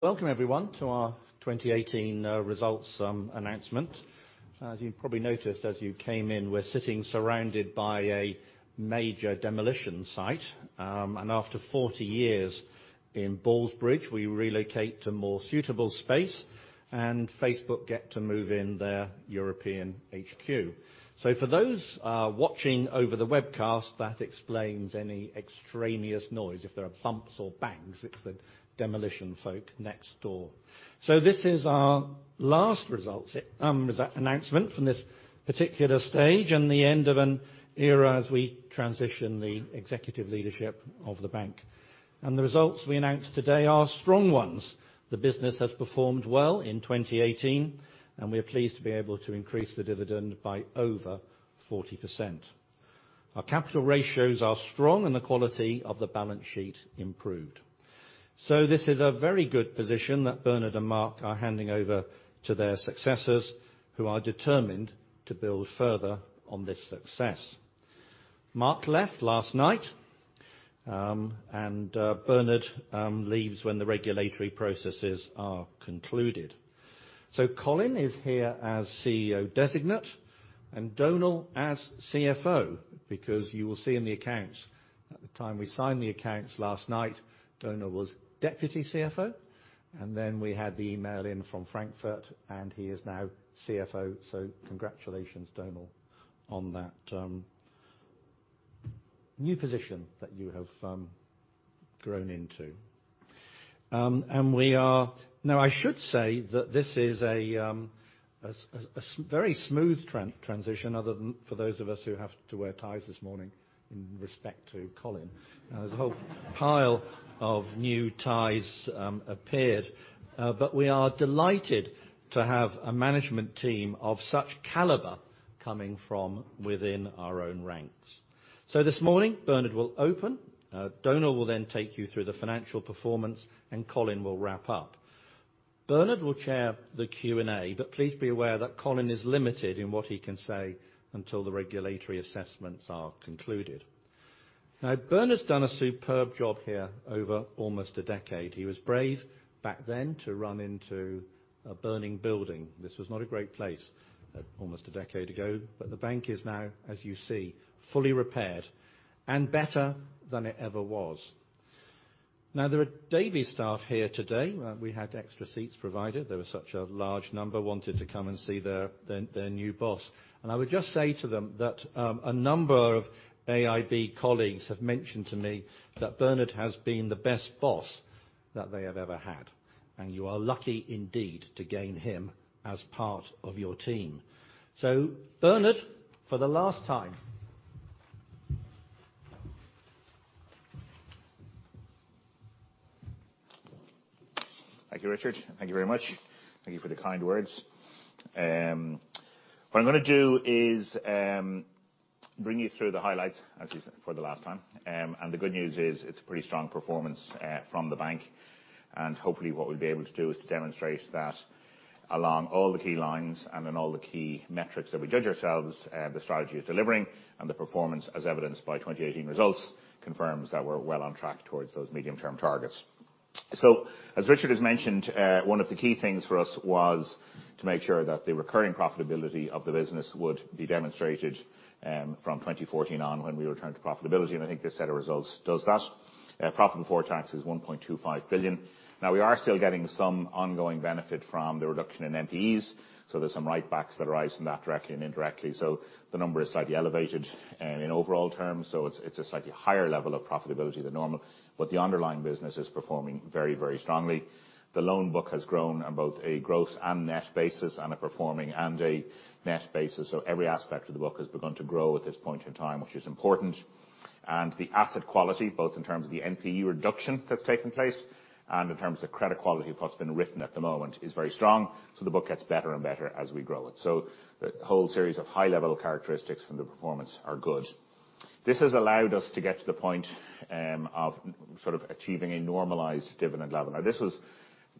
Welcome everyone to our 2018 results announcement. As you probably noticed as you came in, we're sitting surrounded by a major demolition site. After 40 years in Ballsbridge, we relocate to more suitable space, and Facebook get to move in their European HQ. For those watching over the webcast, that explains any extraneous noise. If there are thumps or bangs, it's the demolition folk next door. This is our last results announcement from this particular stage, and the end of an era as we transition the executive leadership of the bank. The results we announce today are strong ones. The business has performed well in 2018, and we are pleased to be able to increase the dividend by over 40%. Our capital ratios are strong, and the quality of the balance sheet improved. This is a very good position that Bernard and Mark are handing over to their successors, who are determined to build further on this success. Mark left last night, and Bernard leaves when the regulatory processes are concluded. Colin is here as CEO Designate, and Donal as CFO, because you will see in the accounts, at the time we signed the accounts last night, Donal was Deputy CFO, we had the email in from Frankfurt, and he is now CFO, congratulations Donal on that new position that you have grown into. I should say that this is a very smooth transition other than for those of us who have to wear ties this morning in respect to Colin. There's a whole pile of new ties appeared. We are delighted to have a management team of such caliber coming from within our own ranks. This morning, Bernard will open, Donal will take you through the financial performance, Colin will wrap up. Bernard will chair the Q&A, please be aware that Colin is limited in what he can say until the regulatory assessments are concluded. Bernard's done a superb job here over almost a decade. He was brave back then to run into a burning building. This was not a great place almost a decade ago. The bank is now, as you see, fully repaired, and better than it ever was. There are Davy staff here today. We had extra seats provided. There was such a large number wanted to come and see their new boss. I would just say to them that a number of AIB colleagues have mentioned to me that Bernard has been the best boss that they have ever had, and you are lucky indeed to gain him as part of your team. Bernard, for the last time. Thank you, Richard. Thank you very much. Thank you for the kind words. What I'm going to do is bring you through the highlights, as you said, for the last time. The good news is it's pretty strong performance from the bank. Hopefully what we'll be able to do is to demonstrate that along all the key lines and in all the key metrics that we judge ourselves, the strategy is delivering. The performance, as evidenced by 2018 results, confirms that we're well on track towards those medium-term targets. As Richard has mentioned, one of the key things for us was to make sure that the recurring profitability of the business would be demonstrated from 2014 on, when we returned to profitability, and I think this set of results does that. Profit before tax is 1.25 billion. We are still getting some ongoing benefit from the reduction in NPEs, there's some write-backs that arise from that directly and indirectly. The number is slightly elevated in overall terms, so it's a slightly higher level of profitability than normal, but the underlying business is performing very strongly. The loan book has grown on both a gross and net basis, and a performing and a net basis, every aspect of the book has begun to grow at this point in time, which is important. The asset quality, both in terms of the NPE reduction that's taken place, and in terms of credit quality of what's been written at the moment, is very strong. The book gets better and better as we grow it. The whole series of high-level characteristics from the performance are good. This has allowed us to get to the point of sort of achieving a normalized dividend level.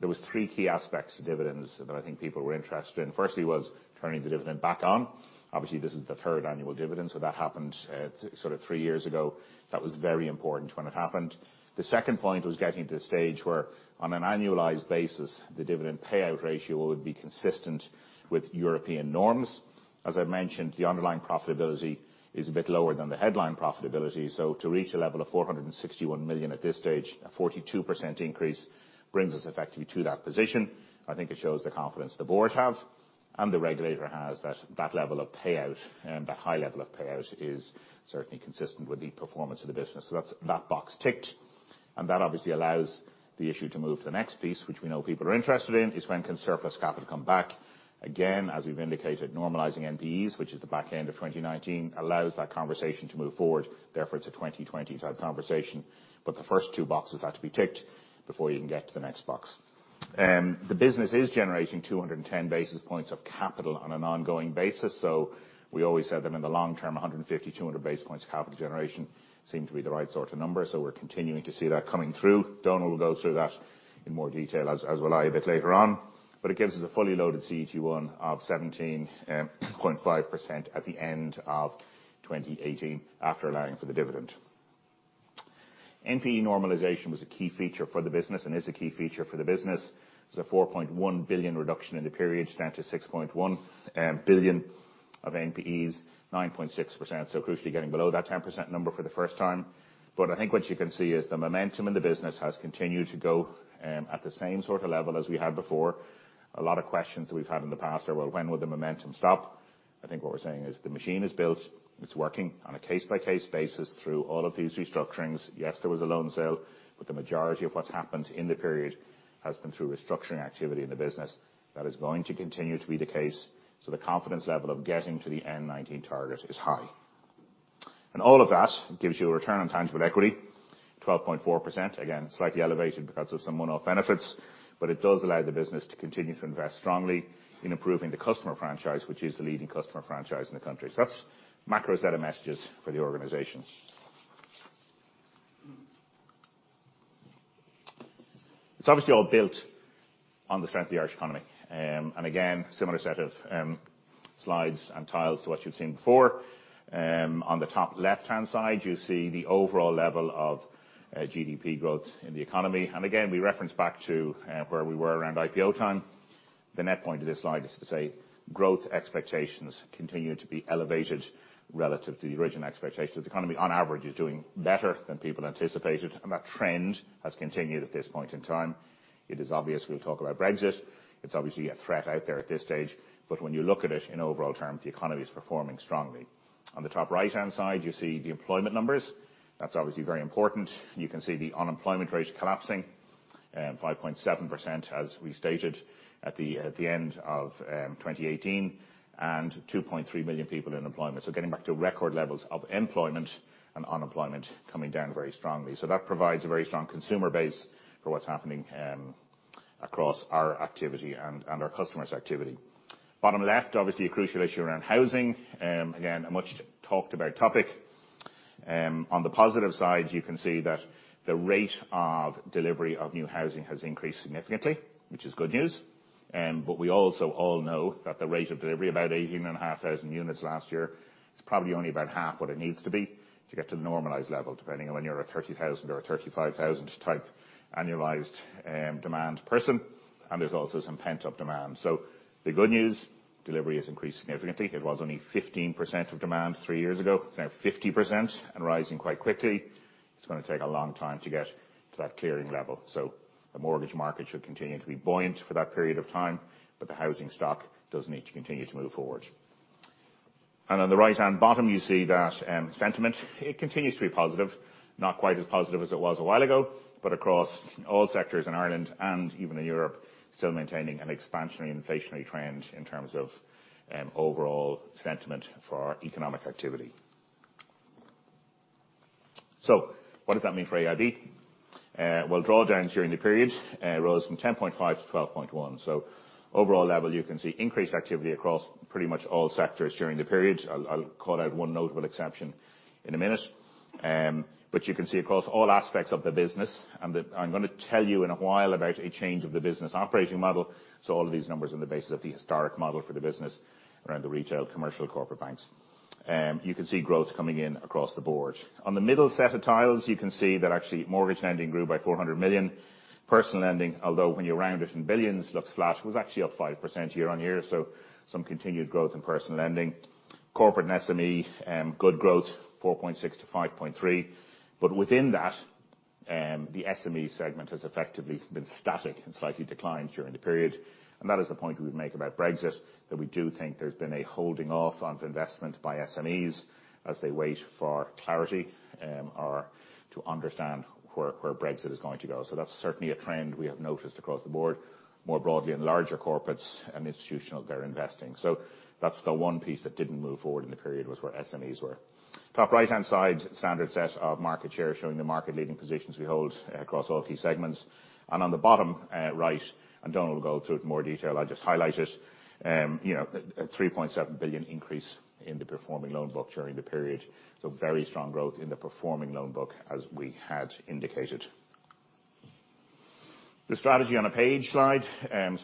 There were three key aspects to dividends that I think people were interested in. Firstly, was turning the dividend back on. Obviously, this is the third annual dividend, so that happened sort of three years ago. That was very important when it happened. The second point was getting to the stage where, on an annualized basis, the dividend payout ratio would be consistent with European norms. As I mentioned, the underlying profitability is a bit lower than the headline profitability. To reach a level of 461 million at this stage, a 42% increase brings us effectively to that position. I think it shows the confidence the board have and the regulator has that that level of payout, that high level of payout is certainly consistent with the performance of the business. That's that box ticked. That obviously allows the issue to move to the next piece, which we know people are interested in, is when can surplus capital come back. As we've indicated, normalizing NPEs, which is the back end of 2019, allows that conversation to move forward. It's a 2020 type conversation. The first two boxes had to be ticked before you can get to the next box. The business is generating 210 basis points of capital on an ongoing basis. We always said that in the long term, 150, 200 basis points of capital generation seem to be the right sort of number. We're continuing to see that coming through. Donal will go through that in more detail, as will I a bit later on. It gives us a fully loaded CET1 of 17.5% at the end of 2018, after allowing for the dividend. NPE normalisation was a key feature for the business and is a key feature for the business. There is a 4.1 billion reduction in the period down to 6.1 billion of NPEs, 9.6%. Crucially, getting below that 10% number for the first time. I think what you can see is the momentum in the business has continued to go at the same sort of level as we had before. A lot of questions that we have had in the past are, well, when will the momentum stop? I think what we are saying is the machine is built, it is working on a case-by-case basis through all of these restructurings. Yes, there was a loan sale, but the majority of what has happened in the period has been through restructuring activity in the business. That is going to continue to be the case. The confidence level of getting to the N19 target is high. All of that gives you a return on tangible equity, 12.4%. Again, slightly elevated because of some one-off benefits, but it does allow the business to continue to invest strongly in improving the customer franchise, which is the leading customer franchise in the country. That is macro set of messages for the organization. It is obviously all built on the strength of the Irish economy. Again, similar set of slides and tiles to what you have seen before. On the top left-hand side, you see the overall level of GDP growth in the economy. Again, we reference back to where we were around IPO time. The net point of this slide is to say growth expectations continue to be elevated relative to the original expectations. The economy, on average, is doing better than people anticipated, that trend has continued at this point in time. It is obvious we will talk about Brexit. It is obviously a threat out there at this stage. When you look at it in overall terms, the economy is performing strongly. On the top right-hand side, you see the employment numbers. That is obviously very important. You can see the unemployment rate collapsing, 5.7%, as we stated at the end of 2018, and 2.3 million people in employment. Getting back to record levels of employment and unemployment coming down very strongly. That provides a very strong consumer base for what is happening across our activity and our customers' activity. Bottom left, obviously, a crucial issue around housing. Again, a much talked about topic. On the positive side, you can see that the rate of delivery of new housing has increased significantly, which is good news. We also all know that the rate of delivery, about 18,500 units last year, is probably only about half what it needs to be to get to the normalized level, depending on when you are a 30,000 or a 35,000 type annualized demand person. There is also some pent-up demand. The good news, delivery has increased significantly. It was only 15% of demand three years ago. It is now 50% and rising quite quickly. It is going to take a long time to get to that clearing level. The mortgage market should continue to be buoyant for that period of time, the housing stock does need to continue to move forward. On the right-hand bottom, you see that sentiment. It continues to be positive, not quite as positive as it was a while ago, across all sectors in Ireland and even in Europe, still maintaining an expansionary inflationary trend in terms of overall sentiment for economic activity. What does that mean for AIB? Drawdowns during the period rose from 10.5 to 12.1. Overall level, you can see increased activity across pretty much all sectors during the period. I'll call out one notable exception in a minute. You can see across all aspects of the business, and I'm going to tell you in a while about a change of the business operating model. All of these numbers on the basis of the historic model for the business around the retail, commercial, corporate banks. You can see growth coming in across the board. On the middle set of tiles, you can see that actually mortgage lending grew by 400 million. Personal lending, although when you round it in billions looks flat, was actually up 5% year-on-year. Some continued growth in personal lending. Corporate and SME, good growth, 4.6-5.3. Within that, the SME segment has effectively been static and slightly declined during the period. That is the point we would make about Brexit, that we do think there's been a holding off on investment by SMEs as they wait for clarity or to understand where Brexit is going to go. That's certainly a trend we have noticed across the board. More broadly in larger corporates and institutional, they're investing. That's the one piece that didn't move forward in the period was where SMEs were. Top right-hand side, standard set of market share showing the market leading positions we hold across all key segments. On the bottom right, and Donal will go through it in more detail, I'll just highlight it. A 3.7 billion increase in the performing loan book during the period. Very strong growth in the performing loan book as we had indicated. The strategy on a page slide. I'm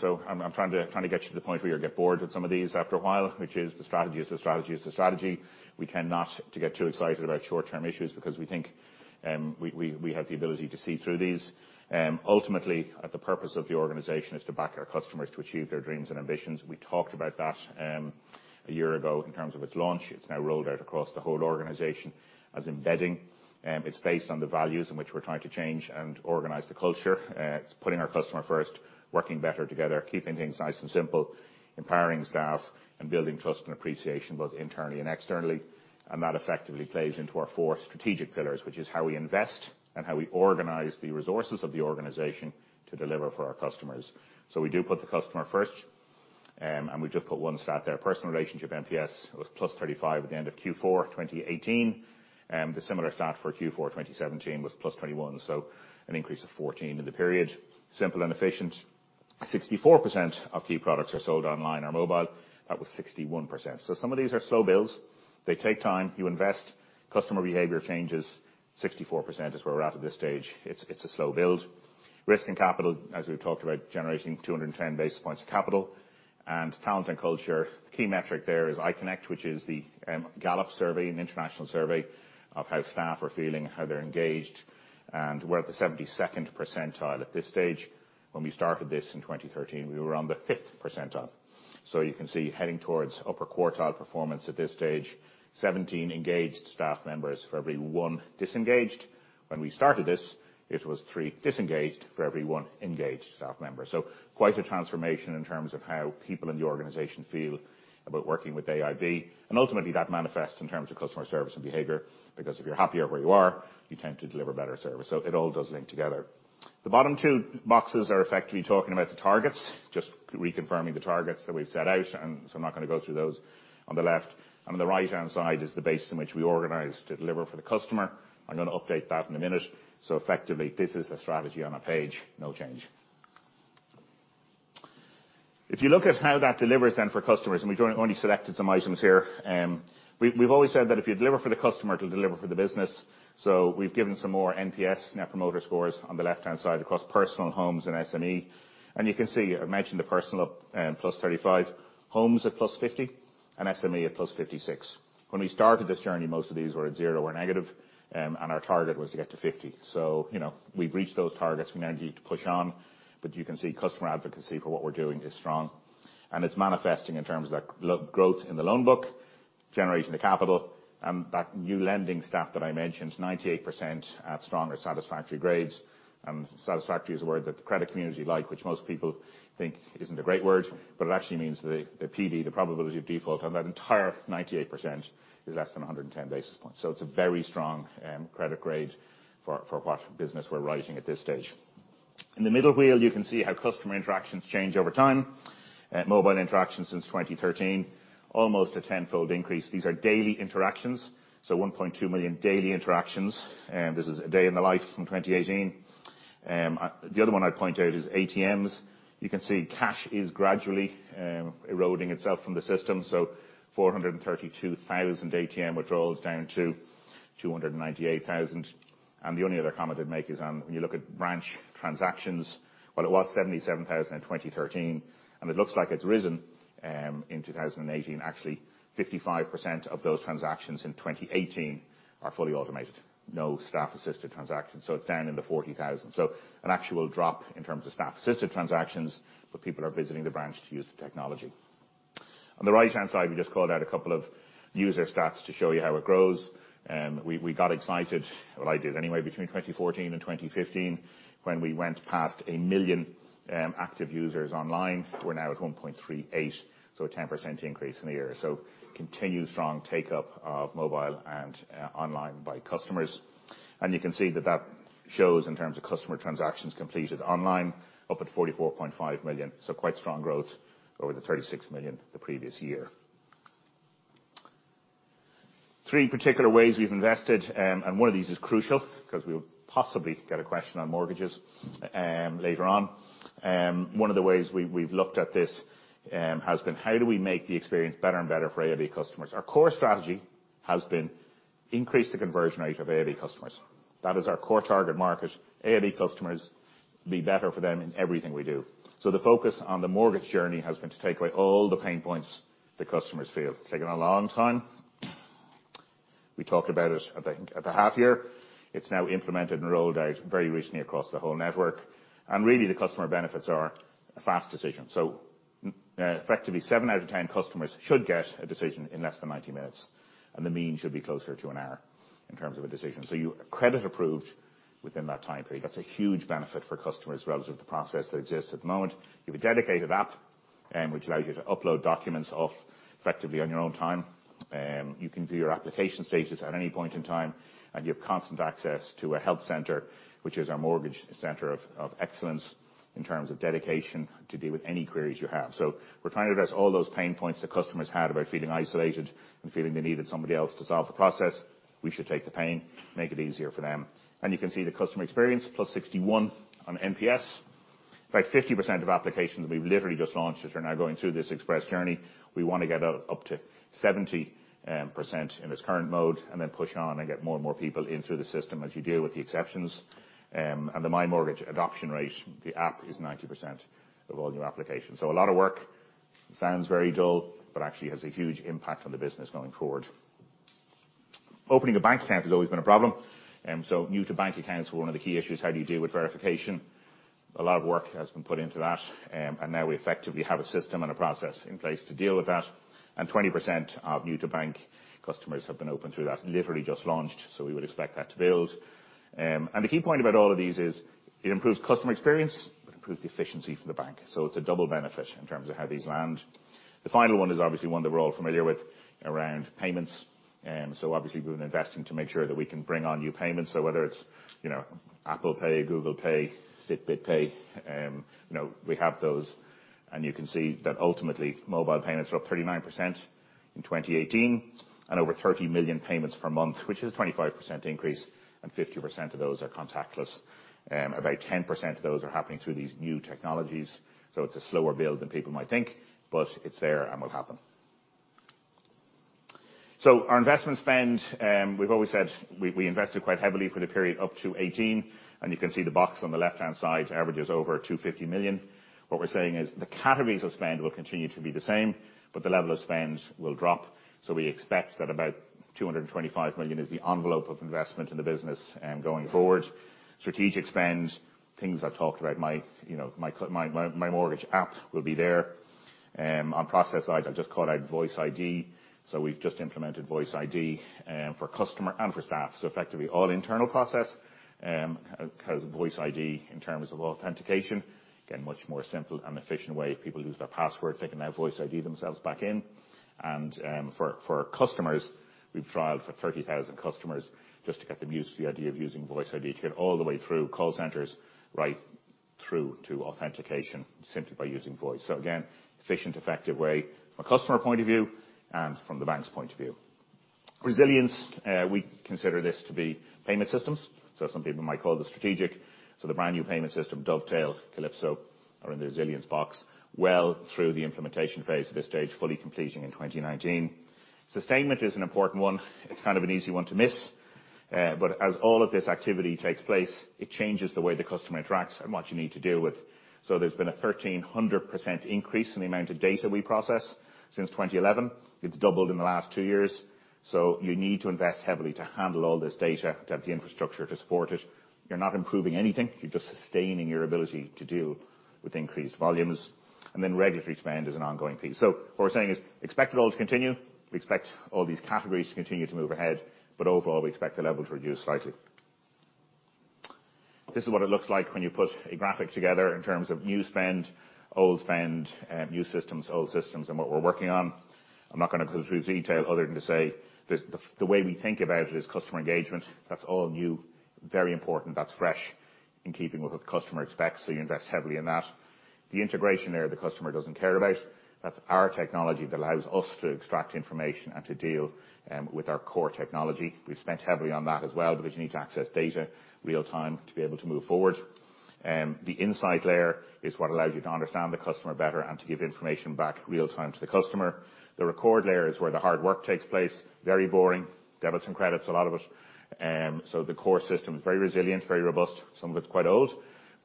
trying to get you to the point where you get bored with some of these after a while, which is the strategy is the strategy is the strategy. We cannot to get too excited about short-term issues because we think we have the ability to see through these. Ultimately, the purpose of the organization is to back our customers to achieve their dreams and ambitions. We talked about that a year ago in terms of its launch. It's now rolled out across the whole organization as embedding. It's based on the values in which we're trying to change and organize the culture. It's putting our customer first, working better together, keeping things nice and simple, empowering staff, and building trust and appreciation both internally and externally. That effectively plays into our four strategic pillars, which is how we invest and how we organize the resources of the organization to deliver for our customers. We do put the customer first, and we just put one stat there. Personal relationship NPS was +35 at the end of Q4 2018. The similar stat for Q4 2017 was +21, so an increase of 14 in the period. Simple and efficient, 64% of key products are sold online or mobile. That was 61%. Some of these are slow builds. They take time. You invest. Customer behavior changes. 64% is where we're at at this stage. It's a slow build. Risk and capital, as we've talked about, generating 210 basis points of capital. Talent and culture, the key metric there is iConnect, which is the Gallup survey, an international survey of how staff are feeling, how they're engaged. We're at the 72nd percentile at this stage. When we started this in 2013, we were on the fifth percentile. You can see, heading towards upper quartile performance at this stage. 17 engaged staff members for every one disengaged. When we started this, it was three disengaged for every one engaged staff member. Quite a transformation in terms of how people in the organization feel about working with AIB, and ultimately that manifests in terms of customer service and behavior, because if you're happier where you are, you tend to deliver better service. It all does link together. The bottom two boxes are effectively talking about the targets, just reconfirming the targets that we've set out, I'm not going to go through those on the left. On the right-hand side is the base in which we organize to deliver for the customer. I'm going to update that in a minute. Effectively, this is a strategy on a page, no change. If you look at how that delivers then for customers, we've only selected some items here. We've always said that if you deliver for the customer, it'll deliver for the business, so we've given some more NPS, Net Promoter Scores, on the left-hand side across personal homes and SME. You can see, I mentioned the personal up, +35, homes at +50, and SME at +56. When we started this journey, most of these were at zero or negative, and our target was to get to 50. We've reached those targets. We now need to push on. You can see customer advocacy for what we're doing is strong, and it's manifesting in terms of growth in the loan book, generating the capital, and that new lending staff that I mentioned, 98% at strong or satisfactory grades. Satisfactory is a word that the credit community like, which most people think isn't a great word, but it actually means the PD, the probability of default, on that entire 98% is less than 110 basis points. It's a very strong credit grade for what business we're writing at this stage. In the middle wheel, you can see how customer interactions change over time. Mobile interactions since 2013, almost a tenfold increase. These are daily interactions, 1.2 million daily interactions. This is a day in the life from 2018. The other one I'd point out is ATMs. You can see cash is gradually eroding itself from the system, 432,000 ATM withdrawals down to 298,000. The only other comment I'd make is on when you look at branch transactions, while it was 77,000 in 2013, and it looks like it's risen in 2018. Actually, 55% of those transactions in 2018 are fully automated, no staff-assisted transactions. It's down in the 40,000. An actual drop in terms of staff-assisted transactions, but people are visiting the branch to use the technology. On the right-hand side, we just called out a couple of user stats to show you how it grows. We got excited, well, I did anyway, between 2014 and 2015 when we went past a million active users online. We're now at 1.38, a 10% increase in a year. Continued strong take-up of mobile and online by customers. You can see that that shows in terms of customer transactions completed online, up at 44.5 million. Quite strong growth over the 36 million the previous year. Three particular ways we've invested, and one of these is crucial because we'll possibly get a question on mortgages later on. One of the ways we've looked at this has been how do we make the experience better and better for AIB customers? Our core strategy has been increase the conversion rate of AIB customers. That is our core target market, AIB customers, be better for them in everything we do. The focus on the mortgage journey has been to take away all the pain points that customers feel. It's taken a long time. We talked about it, I think, at the half-year. It's now implemented and rolled out very recently across the whole network. Really, the customer benefits are a fast decision. Effectively, seven out of 10 customers should get a decision in less than 90 minutes, and the mean should be closer to an hour in terms of a decision. You are credit approved within that time period. That's a huge benefit for customers relative to process that exists at the moment. You have a dedicated app, which allows you to upload documents effectively on your own time. You can view your application status at any point in time, and you have constant access to a help center, which is our mortgage center of excellence in terms of dedication to deal with any queries you have. We're trying to address all those pain points that customers had about feeling isolated and feeling they needed somebody else to solve the process. We should take the pain, make it easier for them. You can see the customer experience, plus 61 on NPS. In fact, 50% of applications we've literally just launched that are now going through this express journey. We want to get up to 70% in its current mode, then push on and get more and more people in through the system as you deal with the exceptions. The MyMortgage adoption rate, the app, is 90% of all new applications. A lot of work. It sounds very dull, but actually has a huge impact on the business going forward. Opening a bank account has always been a problem. New-to-bank accounts were one of the key issues. How do you deal with verification? A lot of work has been put into that, and now we effectively have a system and a process in place to deal with that. 20% of new-to-bank customers have been opened through that. Literally just launched, we would expect that to build. The key point about all of these is it improves customer experience, but improves the efficiency for the bank. It's a double benefit in terms of how these land. The final one is obviously one that we're all familiar with around payments. Obviously, we've been investing to make sure that we can bring on new payments. Whether it's Apple Pay, Google Pay, Fitbit Pay, we have those. You can see that ultimately, mobile payments are up 39% in 2018, and over 30 million payments per month, which is a 25% increase, and 50% of those are contactless. About 10% of those are happening through these new technologies. It's a slower build than people might think, but it's there and will happen. Our investment spend, we've always said we invested quite heavily for the period up to 2018, and you can see the box on the left-hand side averages over 250 million. What we're saying is the categories of spend will continue to be the same, but the level of spend will drop. We expect that about 225 million is the envelope of investment in the business going forward. Strategic spend, things I've talked about, MyMortgage app will be there. On process side, I'll just call out Voice ID. We've just implemented Voice ID for customer and for staff. Effectively all internal process has Voice ID in terms of authentication, again, much more simple and efficient way. If people lose their password, they can now Voice ID themselves back in. For customers, we've trialed for 30,000 customers just to get them used to the idea of using Voice ID to get all the way through call centers right through to authentication simply by using voice. Again, efficient, effective way from a customer point of view and from the bank's point of view. Resilience, we consider this to be payment systems, so some people might call this strategic. The brand new payment system, Dovetail, Calypso, are in the resilience box, well through the implementation phase at this stage, fully completing in 2019. Sustainment is an important one. It's kind of an easy one to miss. As all of this activity takes place, it changes the way the customer interacts and what you need to deal with. There's been a 1,300% increase in the amount of data we process since 2011. It's doubled in the last two years. You need to invest heavily to handle all this data, to have the infrastructure to support it. You're not improving anything. You're just sustaining your ability to deal with increased volumes. Then regulatory spend is an ongoing piece. What we're saying is expect it all to continue. We expect all these categories to continue to move ahead, but overall, we expect the level to reduce slightly. This is what it looks like when you put a graphic together in terms of new spend, old spend, new systems, old systems, and what we're working on. I'm not going to go through detail other than to say the way we think about it is customer engagement. That's all new, very important. That's fresh in keeping with what the customer expects, so you invest heavily in that. The integration area the customer doesn't care about. That's our technology that allows us to extract information and to deal with our core technology. We've spent heavily on that as well because you need to access data real time to be able to move forward. The insight layer is what allows you to understand the customer better and to give information back real time to the customer. The record layer is where the hard work takes place. Very boring. Debits and credits, a lot of it. The core system is very resilient, very robust. Some of it's quite old.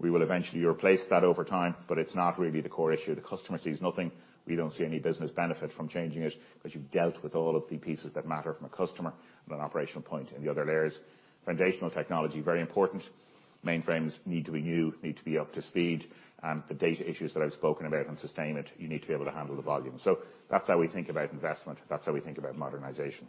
We will eventually replace that over time, but it's not really the core issue. The customer sees nothing. We don't see any business benefit from changing it because you've dealt with all of the pieces that matter from a customer and an operational point in the other layers. Foundational technology, very important. Mainframes need to be new, need to be up to speed. The data issues that I've spoken about on sustainment, you need to be able to handle the volume. That's how we think about investment. That's how we think about modernization.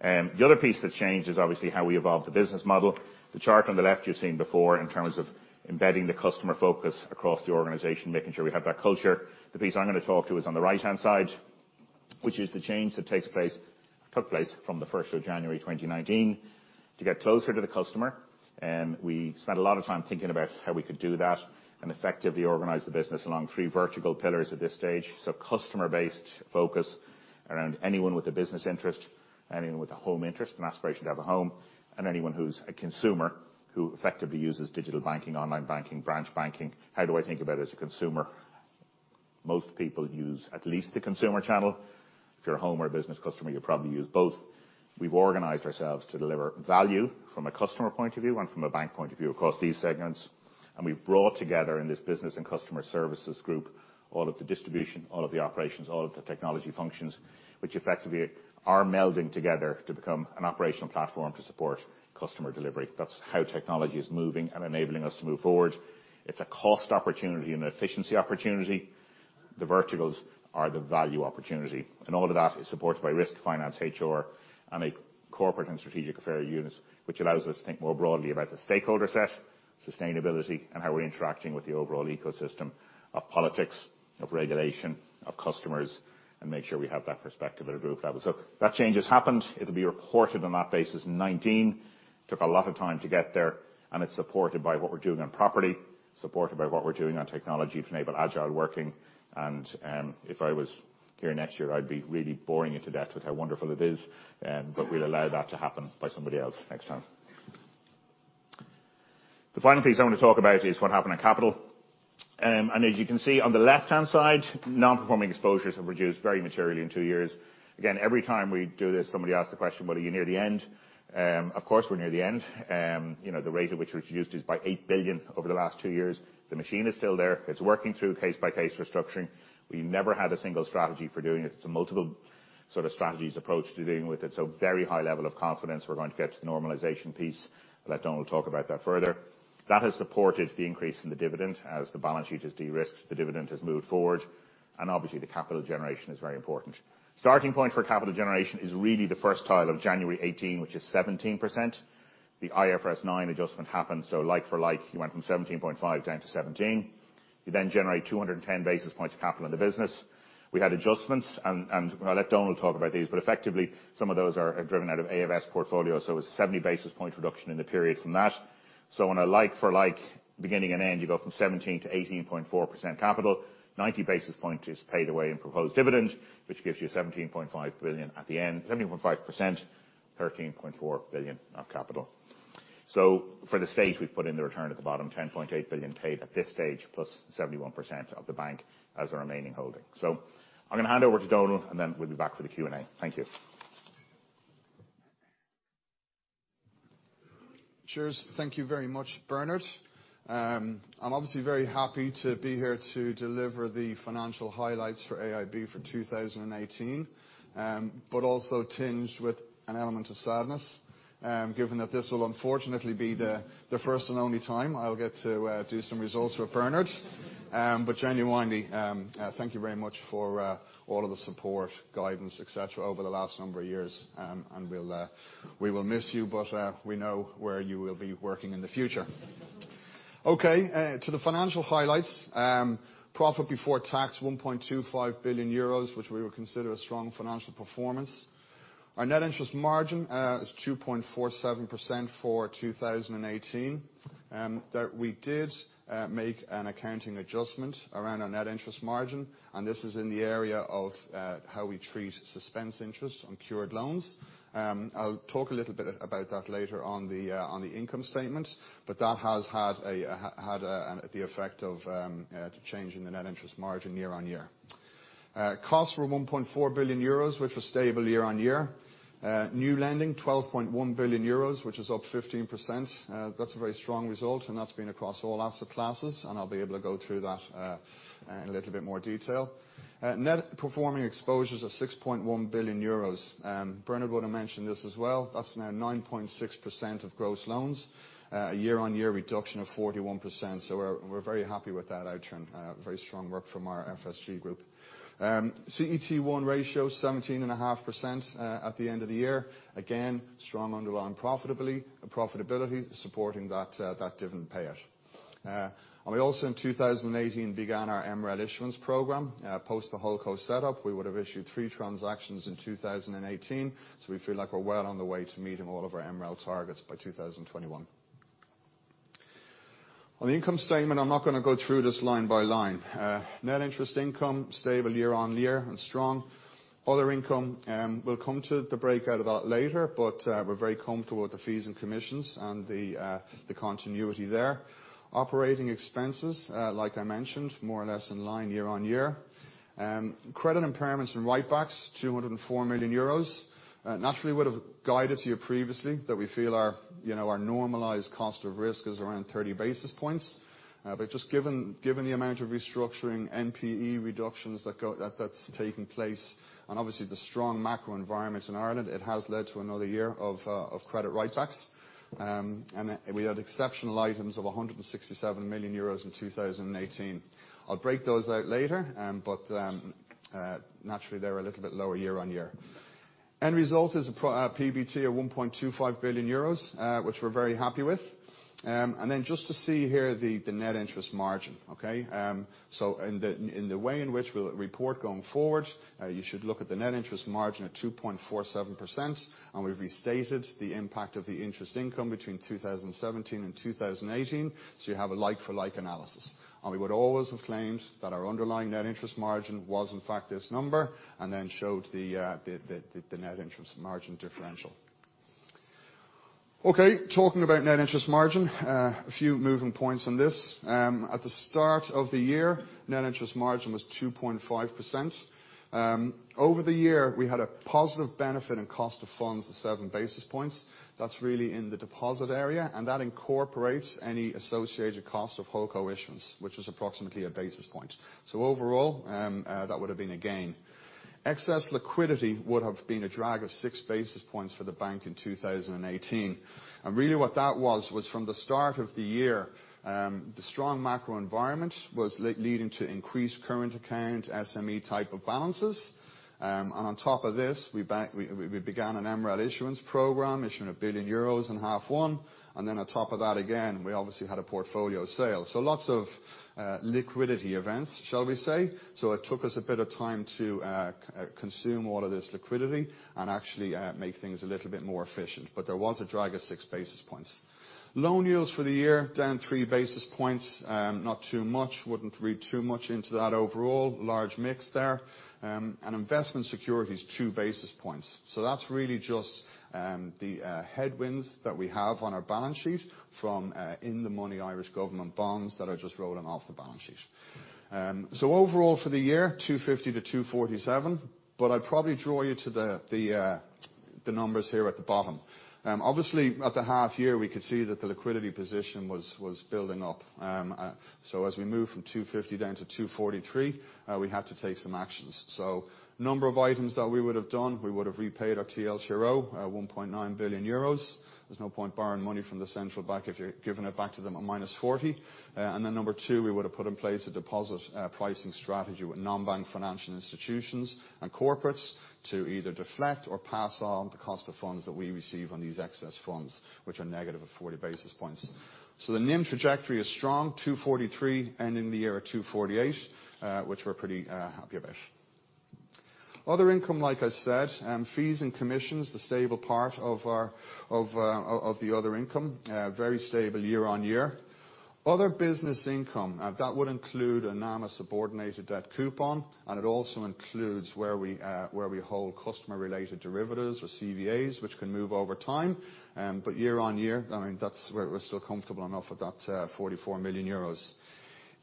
The other piece that's changed is obviously how we evolve the business model. The chart on the left you've seen before in terms of embedding the customer focus across the organization, making sure we have that culture. The piece I'm going to talk to is on the right-hand side, which is the change that took place from the 1st of January 2019 to get closer to the customer. We spent a lot of time thinking about how we could do that and effectively organize the business along 3 vertical pillars at this stage. Customer-based focus around anyone with a business interest, anyone with a home interest, an aspiration to have a home, and anyone who's a consumer who effectively uses digital banking, online banking, branch banking. How do I think about it as a consumer? Most people use at least the consumer channel. If you're a home or a business customer, you probably use both. We've organized ourselves to deliver value from a customer point of view and from a bank point of view across these segments. We've brought together in this business and customer services group all of the distribution, all of the operations, all of the technology functions, which effectively are melding together to become an operational platform to support customer delivery. That's how technology is moving and enabling us to move forward. It's a cost opportunity and an efficiency opportunity. The verticals are the value opportunity, and all of that is supported by risk, finance, HR, and a corporate and strategic affairs unit, which allows us to think more broadly about the stakeholder set, sustainability, and how we're interacting with the overall ecosystem of politics, of regulation, of customers, and make sure we have that perspective at a group level. That change has happened. It'll be reported on that basis in 2019. Took a lot of time to get there, and it's supported by what we're doing on property, supported by what we're doing on technology to enable agile working. If I was here next year, I'd be really boring you to death with how wonderful it is. We'll allow that to happen by somebody else next time. The final piece I want to talk about is what happened on capital. As you can see on the left-hand side, Non-Performing Exposures have reduced very materially in 2 years. Again, every time we do this, somebody asks the question, well, are you near the end? Of course, we're near the end. The rate at which reduced is by 8 billion over the last 2 years. The machine is still there. It's working through case-by-case restructuring. We never had a single strategy for doing it. It's a multiple sort of strategies approach to dealing with it. Very high level of confidence we're going to get to the normalization piece. I'll let Donal talk about that further. That has supported the increase in the dividend. As the balance sheet has de-risked, the dividend has moved forward, and obviously, the capital generation is very important. Starting point for capital generation is really the first tile of January 2018, which is 17%. The IFRS 9 adjustment happened, like for like, you went from 17.5% down to 17%. Generate 210 basis points of capital in the business. We had adjustments, I'll let Donal talk about these, some of those are driven out of AFS portfolio, it's a 70 basis point reduction in the period from that. On a like for like beginning and end, you go from 17% to 18.4% capital. 90 basis points is paid away in proposed dividend, which gives you 17.5 billion at the end, 17.5%, 13.4 billion of capital. For this stage, we've put in the return at the bottom, 10.8 billion paid at this stage, plus 71% of the bank as our remaining holding. I'm going to hand over to Donal, then we'll be back for the Q&A. Thank you. Cheers. Thank you very much, Bernard. I'm obviously very happy to be here to deliver the financial highlights for AIB for 2018. Also tinged with an element of sadness, given that this will unfortunately be the first and only time I'll get to do some results with Bernard. Genuinely, thank you very much for all of the support, guidance, et cetera, over the last number of years. We will miss you, we know where you will be working in the future. Okay, to the financial highlights. Profit before tax, 1.25 billion euros, which we would consider a strong financial performance. Our net interest margin is 2.47% for 2018. We did make an accounting adjustment around our net interest margin, this is in the area of how we treat suspense interest on cured loans. I'll talk a little bit about that later on the income statement, that has had the effect of the change in the net interest margin year-on-year. Costs were 1.4 billion euros, which was stable year-on-year. New lending, 12.1 billion euros, which is up 15%. That's a very strong result, that's been across all asset classes, I'll be able to go through that in a little bit more detail. Non-Performing Exposures of 6.1 billion euros. Bernard would have mentioned this as well. That's now 9.6% of gross loans, a year-on-year reduction of 41%, we're very happy with that outturn. Very strong work from our FSG group. CET1 ratio 17.5% at the end of the year. Again, strong underlying profitability supporting that dividend payout. We also, in 2018, began our MREL issuance program. Post the holdco setup, we would have issued 3 transactions in 2018. We feel like we're well on the way to meeting all of our MREL targets by 2021. On the income statement, I'm not going to go through this line by line. Net interest income, stable year-on-year and strong. Other income, we'll come to the breakout of that later, but we're very comfortable with the fees and commissions and the continuity there. Operating expenses, like I mentioned, more or less in line year-on-year. Credit impairments and write-backs, 204 million euros. Naturally would have guided to you previously that we feel our normalized cost of risk is around 30 basis points. Just given the amount of restructuring NPE reductions that's taking place, and obviously the strong macro environment in Ireland, it has led to another year of credit write-backs. We had exceptional items of 167 million euros in 2018. I'll break those out later. Naturally, they're a little bit lower year-on-year. End result is a PBT of 1.25 billion euros, which we're very happy with. Then just to see here the net interest margin, okay. In the way in which we'll report going forward, you should look at the net interest margin at 2.47%. We've restated the impact of the interest income between 2017 and 2018 so you have a like-for-like analysis. We would always have claimed that our underlying net interest margin was, in fact, this number, and then showed the net interest margin differential. Okay, talking about net interest margin. A few moving points on this. At the start of the year, net interest margin was 2.5%. Over the year, we had a positive benefit in cost of funds of 7 basis points. That's really in the deposit area. That incorporates any associated cost of holdco issuance, which was approximately 1 basis point. Overall, that would have been a gain. Excess liquidity would have been a drag of 6 basis points for the bank in 2018. Really what that was from the start of the year, the strong macro environment was leading to increased current account SME type of balances. On top of this, we began an MREL issuance program, issuing 1 billion euros in H1. Then on top of that, again, we obviously had a portfolio sale. Lots of liquidity events, shall we say. It took us a bit of time to consume all of this liquidity and actually make things a little bit more efficient. There was a drag of 6 basis points. Loan yields for the year, down 3 basis points. Not too much. Wouldn't read too much into that overall. Large mix there. Investment securities, 2 basis points. That's really just the headwinds that we have on our balance sheet from in-the-money Irish government bonds that are just rolling off the balance sheet. Overall for the year, 250 to 247. I'd probably draw you to the numbers here at the bottom. Obviously, at the half year, we could see that the liquidity position was building up. As we move from 250 down to 243, we had to take some actions. Number of items that we would have done, we would have repaid our TLTRO, 1.9 billion euros. There's no point borrowing money from the central bank if you're giving it back to them at -40. We would have put in place a deposit pricing strategy with non-bank financial institutions and corporates to either deflect or pass on the cost of funds that we receive on these excess funds, which are negative at 40 basis points. The NIM trajectory is strong, 243, ending the year at 248, which we are pretty happy about. Other income, like I said, fees and commissions, the stable part of the other income. Very stable year-on-year. Other business income, that would include a NAMA subordinated debt coupon, and it also includes where we hold customer-related derivatives or CVAs, which can move over time. Year-on-year, we are still comfortable enough with that 44 million euros.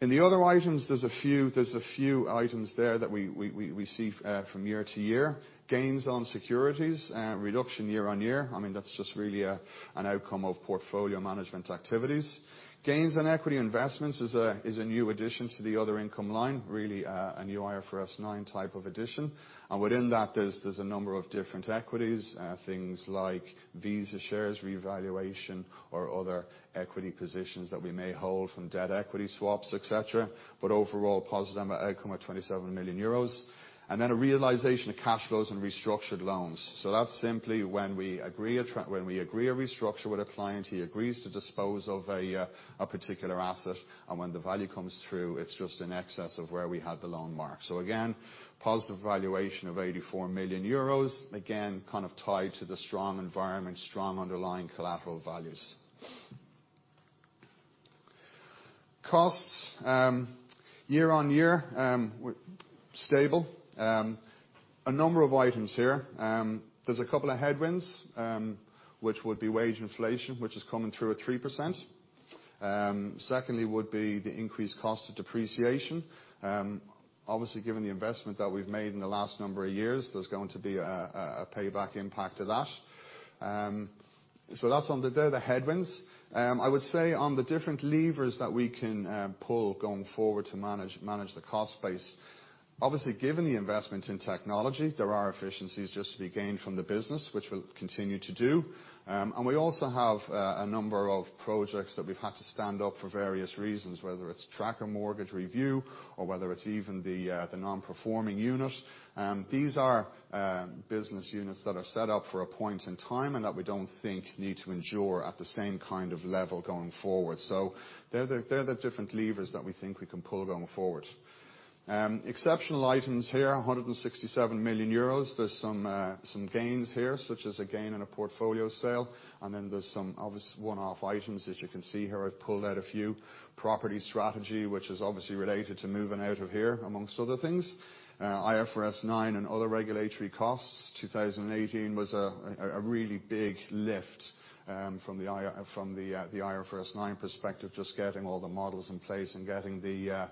In the other items, there are a few items there that we see from year-to-year. Gains on securities, reduction year-on-year. That's just really an outcome of portfolio management activities. Gains on equity investments is a new addition to the other income line, really a new IFRS 9 type of addition. Within that, there are a number of different equities, things like Visa shares revaluation, or other equity positions that we may hold from debt equity swaps, et cetera. Overall, positive outcome of 27 million euros. A realization of cash flows and restructured loans. That's simply when we agree a restructure with a client, he agrees to dispose of a particular asset, and when the value comes through, it's just in excess of where we had the loan marked. Again, positive valuation of 84 million euros. Again, kind of tied to the strong environment, strong underlying collateral values. Costs year-on-year, stable. A number of items here. There are a couple of headwinds, which would be wage inflation, which is coming through at 3%. Secondly, would be the increased cost of depreciation. Obviously, given the investment that we've made in the last number of years, there is going to be a payback impact of that. They're the headwinds. I would say on the different levers that we can pull going forward to manage the cost base, obviously, given the investment in technology, there are efficiencies just to be gained from the business, which we'll continue to do. We also have a number of projects that we've had to stand up for various reasons, whether it's tracker mortgage review or whether it's even the non-performing unit. These are business units that are set up for a point in time, and that we don't think need to endure at the same kind of level going forward. They're the different levers that we think we can pull going forward. Exceptional items here, 167 million euros. There are some gains here, such as a gain in a portfolio sale, there are some obvious one-off items that you can see here. I've pulled out a few. Property strategy, which is obviously related to moving out of here, amongst other things. IFRS 9 and other regulatory costs. 2018 was a really big lift from the IFRS 9 perspective, just getting all the models in place and getting the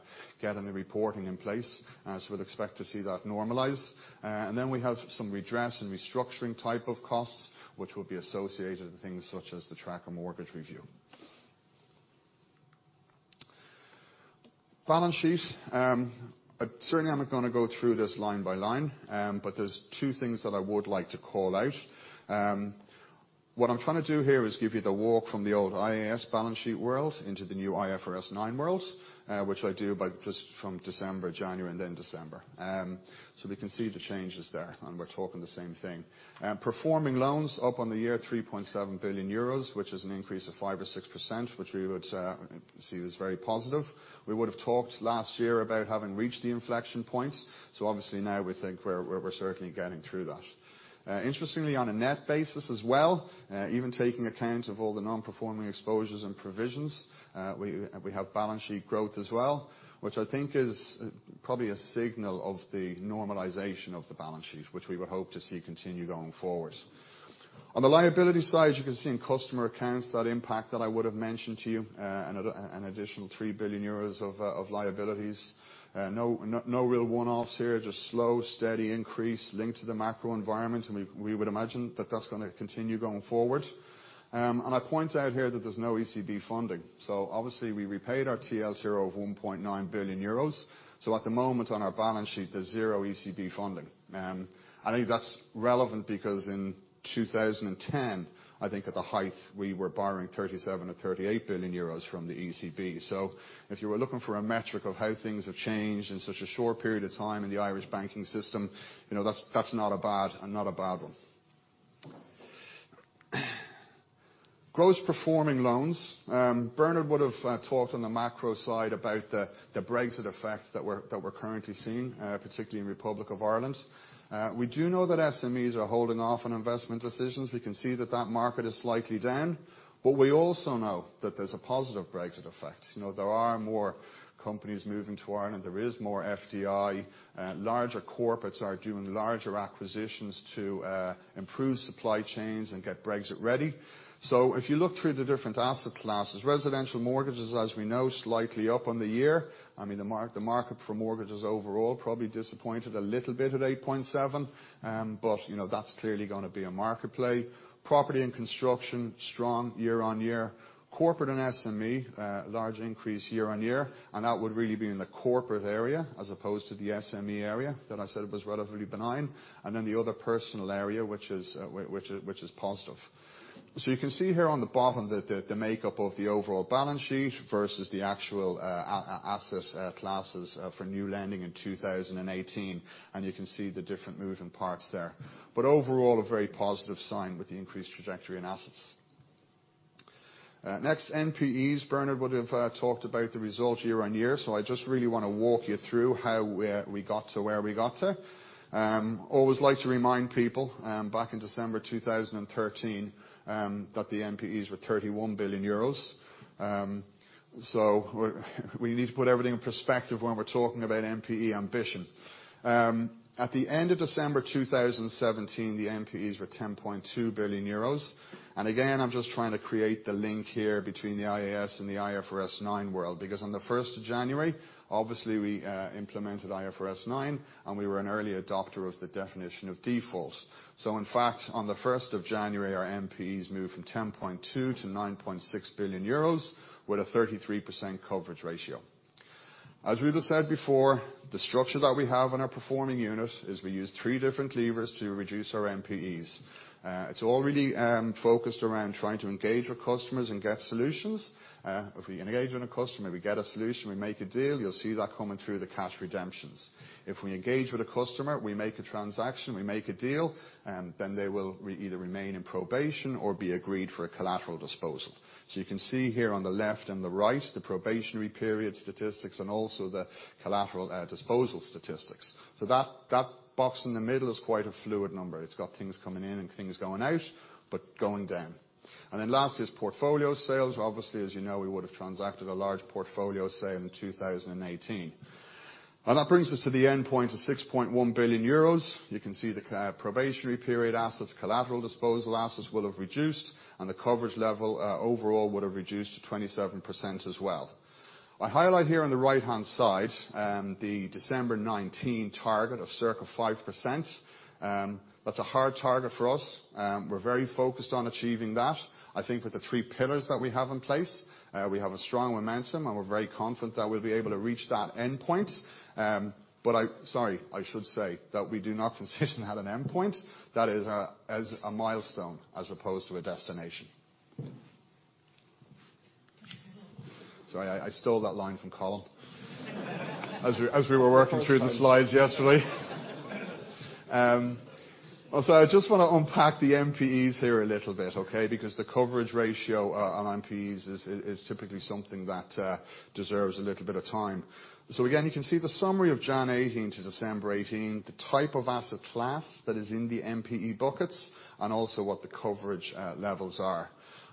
reporting in place. We would expect to see that normalize. We have some redress and restructuring type of costs, which will be associated with things such as the tracker mortgage review. Balance sheet. I certainly am going to go through this line by line, but there are two things that I would like to call out. What I am trying to do here is give you the walk from the old IAS balance sheet world into the new IFRS 9 world, which I do by just from December, January, and then December. We can see the changes there, and we are talking the same thing. Performing loans up on the year, 3.7 billion euros, which is an increase of 5 or 6%, which we would see as very positive. We would have talked last year about having reached the inflection point. Obviously now we think we are certainly getting through that. Interestingly, on a net basis as well, even taking account of all the Non-Performing Exposures and provisions, we have balance sheet growth as well, which I think is probably a signal of the normalization of the balance sheet, which we would hope to see continue going forward. On the liability side, you can see in customer accounts that impact that I would have mentioned to you, an additional 3 billion euros of liabilities. No real one-offs here, just slow, steady increase linked to the macro environment, we would imagine that that is going to continue going forward. I point out here that there is no ECB funding. Obviously, we repaid our TLTRO of 1.9 billion euros. At the moment on our balance sheet, there is zero ECB funding. I think that is relevant because in 2010, I think at the height, we were borrowing 37 billion or 38 billion euros from the ECB. If you were looking for a metric of how things have changed in such a short period of time in the Irish banking system, that is not a bad one. Gross performing loans. Bernard would have talked on the macro side about the Brexit effect that we are currently seeing, particularly in Republic of Ireland. We do know that SMEs are holding off on investment decisions. We can see that that market is slightly down. We also know that there is a positive Brexit effect. There are more companies moving to Ireland. There is more FDI. Larger corporates are doing larger acquisitions to improve supply chains and get Brexit ready. If you look through the different asset classes, residential mortgages, as we know, slightly up on the year. The market for mortgages overall probably disappointed a little bit at 8.7%. That is clearly going to be a market play. Property and construction, strong year-on-year. Corporate and SME, large increase year-on-year, and that would really be in the corporate area as opposed to the SME area that I said was relatively benign. The other personal area, which is positive. You can see here on the bottom the makeup of the overall balance sheet versus the actual asset classes for new lending in 2018, and you can see the different moving parts there. Overall, a very positive sign with the increased trajectory in assets. Next, NPEs. Bernard would have talked about the results year-on-year. I just really want to walk you through how we got to where we got to. Always like to remind people, back in December 2013 that the NPEs were EUR 31 billion. We need to put everything in perspective when we are talking about NPE ambition. At the end of December 2017, the NPEs were 10.2 billion euros. Again, I am just trying to create the link here between the IAS and the IFRS 9 world, because on the 1st of January, obviously we implemented IFRS 9, and we were an early adopter of the definition of default. In fact, on the 1st of January, our NPEs moved from 10.2 billion to 9.6 billion euros, with a 33% coverage ratio. As we have said before, the structure that we have in our performing unit is we use three different levers to reduce our NPEs. It is all really focused around trying to engage with customers and get solutions. If we engage with a customer, we get a solution, we make a deal, you will see that coming through the cash redemptions. If we engage with a customer, we make a transaction, we make a deal, then they will either remain in probation or be agreed for a collateral disposal. You can see here on the left and the right, the probationary period statistics and also the collateral disposal statistics. That box in the middle is quite a fluid number. It has got things coming in and things going out, but going down. Then last is portfolio sales. Obviously, as you know, we would have transacted a large portfolio sale in 2018. That brings us to the endpoint of 6.1 billion euros. You can see the probationary period assets, collateral disposal assets will have reduced, and the coverage level overall would have reduced to 27% as well. I highlight here on the right-hand side, the December 2019 target of circa 5%. That is a hard target for us. We are very focused on achieving that. I think with the three pillars that we have in place, we have a strong momentum, and we are very confident that we will be able to reach that endpoint. Sorry, I should say that we do not consider that an endpoint. That is a milestone as opposed to a destination. Sorry, I stole that line from Colin as we were working through the slides yesterday. I just want to unpack the NPEs here a little bit, okay? Because the coverage ratio on NPEs is typically something that deserves a little bit of time. Again, you can see the summary of January 2018 to December 2018, the type of asset class that is in the NPE buckets, and also what the coverage levels are.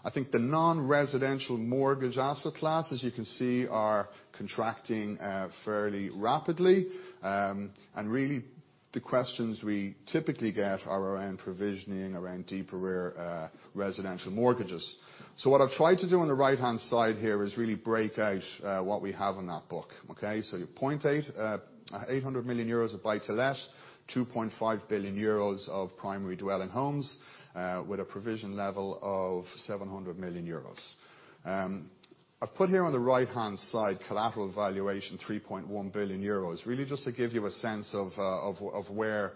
I think the non-residential mortgage asset class, as you can see, are contracting fairly rapidly. Really, the questions we typically get are around provisioning, around deeper residential mortgages. What I have tried to do on the right-hand side here is really break out what we have in that book. Okay? You have 800 million euros of buy-to-let, 2.5 billion euros of primary dwelling homes, with a provision level of 700 million euros. I have put here on the right-hand side collateral valuation, 3.1 billion euros, really just to give you a sense of where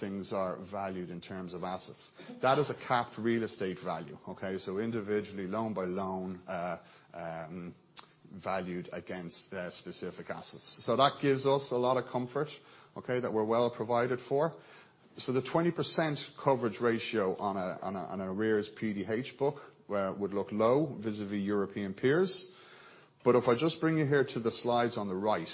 things are valued in terms of assets. That is a capped real estate value. Okay? Individually, loan by loan, valued against their specific assets. That gives us a lot of comfort, okay, that we are well provided for. The 20% coverage ratio on arrears PDH book would look low vis-à-vis European peers. If I just bring you here to the slides on the right,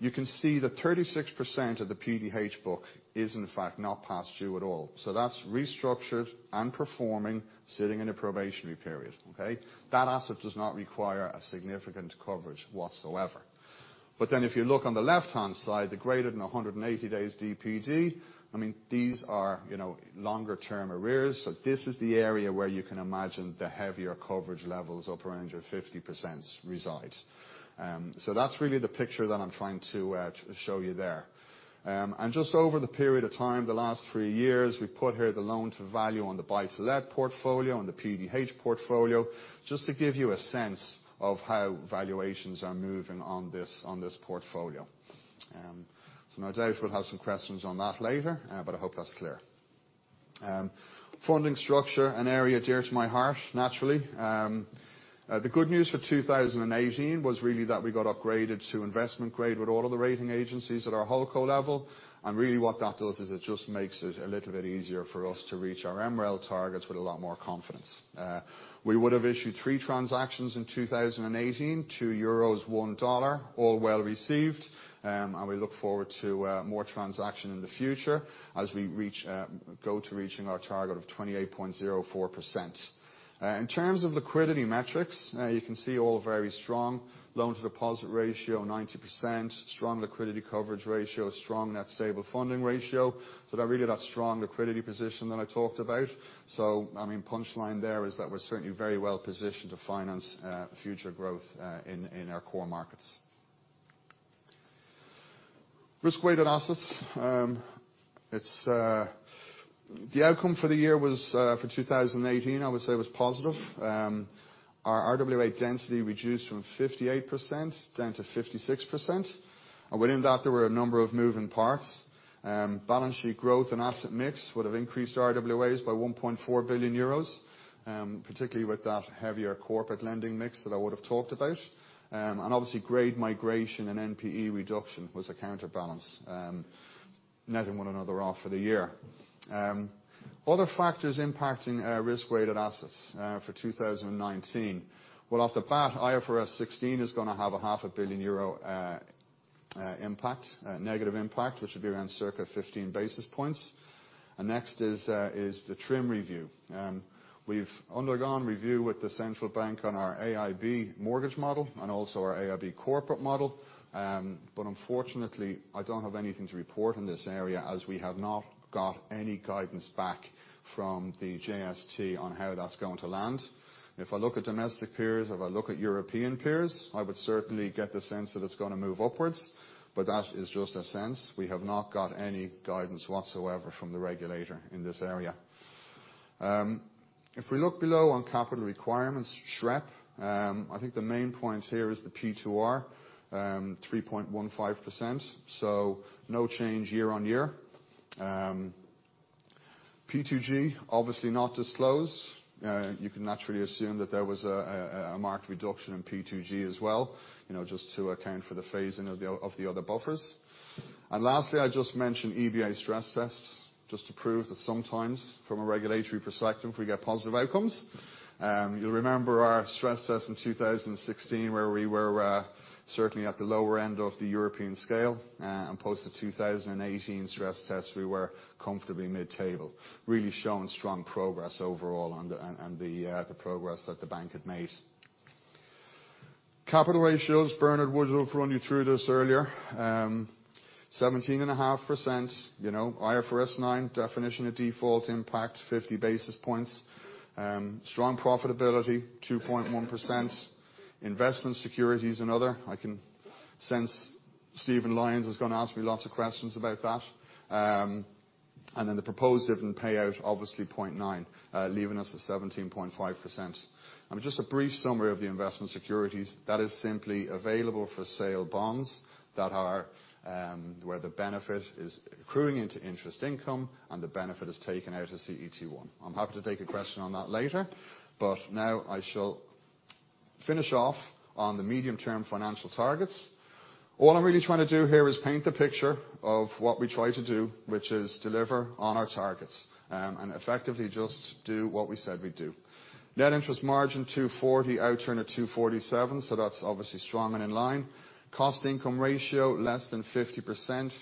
you can see that 36% of the PDH book is in fact not past due at all. That's restructured and performing, sitting in a probationary period. Okay? That asset does not require a significant coverage whatsoever. If you look on the left-hand side, the greater than 180 days DPD, these are longer term arrears. This is the area where you can imagine the heavier coverage levels up around your 50% reside. That's really the picture that I'm trying to show you there. Just over the period of time, the last three years, we put here the loan-to-value on the buy-to-let portfolio and the PDH portfolio, just to give you a sense of how valuations are moving on this portfolio. No doubt we'll have some questions on that later, but I hope that's clear. Funding structure, an area dear to my heart, naturally. The good news for 2018 was really that we got upgraded to investment grade with all of the rating agencies at our holdco level. Really what that does is it just makes it a little bit easier for us to reach our MREL targets with a lot more confidence. We would have issued three transactions in 2018, two EUR, one USD, all well received. We look forward to more transaction in the future as we go to reaching our target of 28.04%. In terms of liquidity metrics, you can see all very strong. Loan-to-deposit ratio, 90%. Strong Liquidity Coverage Ratio, strong net stable funding ratio. Really that strong liquidity position that I talked about. Punchline there is that we're certainly very well positioned to finance future growth in our core markets. Risk-Weighted Assets. The outcome for the year for 2018, I would say, was positive. Our RWA density reduced from 58% down to 56%. Within that, there were a number of moving parts. Balance sheet growth and asset mix would have increased RWAs by 1.4 billion euros, particularly with that heavier corporate lending mix that I would have talked about. Obviously, grade migration and NPE reduction was a counterbalance, netting one another off for the year. Other factors impacting Risk-Weighted Assets for 2019. Off the bat, IFRS 16 is going to have a half a billion EUR negative impact, which would be around circa 15 basis points. Next is the TRIM review. We've undergone review with the central bank on our AIB mortgage model and also our AIB corporate model. Unfortunately, I don't have anything to report in this area as we have not got any guidance back from the JST on how that's going to land. If I look at domestic peers, if I look at European peers, I would certainly get the sense that it's going to move upwards, but that is just a sense. We have not got any guidance whatsoever from the regulator in this area. If we look below on capital requirements, SREP, I think the main point here is the P2R, 3.15%, so no change year-on-year. P2G, obviously not disclosed. You can naturally assume that there was a marked reduction in P2G as well, just to account for the phasing of the other buffers. Lastly, I just mention EBA stress tests just to prove that sometimes, from a regulatory perspective, we get positive outcomes. You'll remember our stress test in 2016, where we were certainly at the lower end of the European scale. Post the 2018 stress tests, we were comfortably mid-table, really showing strong progress overall and the progress that the bank had made. Capital ratios, Bernard would have run you through this earlier. 17.5%, IFRS 9 definition of default impact 50 basis points. Strong profitability, 2.1%. Investment securities and other, I can sense Stephen Lang is going to ask me lots of questions about that. Then the proposed dividend payout, obviously 0.9, leaving us at 17.5%. Just a brief summary of the investment securities. That is simply available-for-sale bonds where the benefit is accruing into interest income, and the benefit is taken out of CET1. I'm happy to take a question on that later, now I shall finish off on the medium-term financial targets. All I'm really trying to do here is paint the picture of what we try to do, which is deliver on our targets, and effectively just do what we said we'd do. Net interest margin 240, outturn at 247, that's obviously strong and in line. Cost-to-income ratio, less than 50%,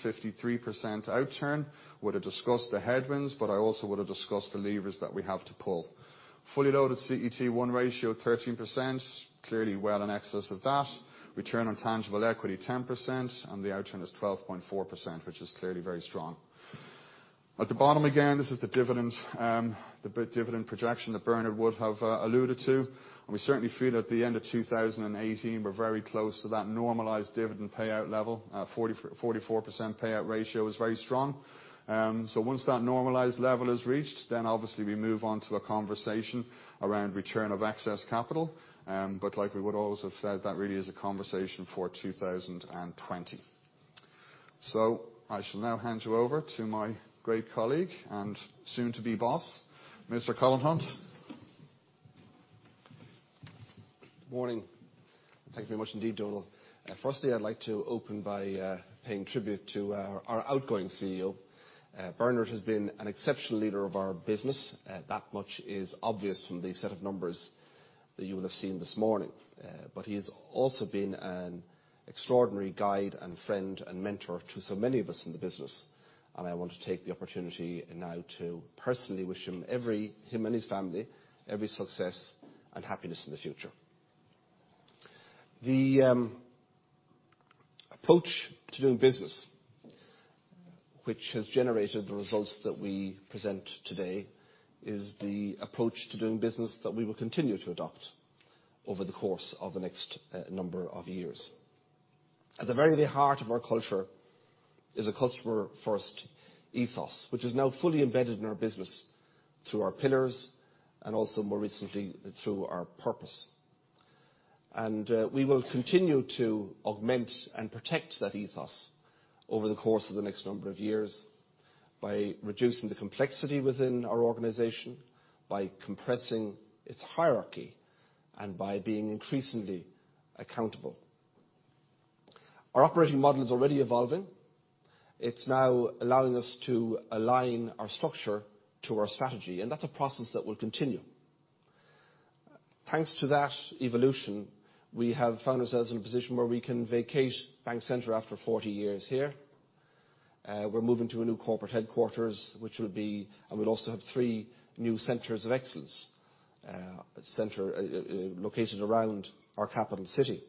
53% outturn. Would have discussed the headwinds, I also would have discussed the levers that we have to pull. Fully loaded CET1 ratio 13%, clearly well in excess of that. Return on tangible equity 10%, and the outturn is 12.4%, which is clearly very strong. At the bottom, again, this is the dividend projection that Bernard would have alluded to. We certainly feel at the end of 2018 we're very close to that normalized dividend payout level. 44% payout ratio is very strong. Once that normalized level is reached, obviously we move on to a conversation around return of excess capital. Like we would also have said, that really is a conversation for 2020. I shall now hand you over to my great colleague and soon-to-be boss, Mr. Colin Hunt. Morning. Thank you very much indeed, Donal. Firstly, I'd like to open by paying tribute to our outgoing CEO. Bernard has been an exceptional leader of our business. That much is obvious from the set of numbers that you will have seen this morning. He has also been an extraordinary guide and friend and mentor to so many of us in the business, I want to take the opportunity now to personally wish him and his family, every success and happiness in the future. The approach to doing business, which has generated the results that we present today, is the approach to doing business that we will continue to adopt over the course of the next number of years. At the very, very heart of our culture is a customer first ethos, which is now fully embedded in our business through our pillars, also more recently through our purpose. We will continue to augment and protect that ethos over the course of the next number of years by reducing the complexity within our organization, by compressing its hierarchy, and by being increasingly accountable. Our operating model is already evolving. It's now allowing us to align our structure to our strategy, and that's a process that will continue. Thanks to that evolution, we have found ourselves in a position where we can vacate Bank Centre after 40 years here. We're moving to a new corporate headquarters, and we'll also have three new centers of excellence, a center located around our capital city.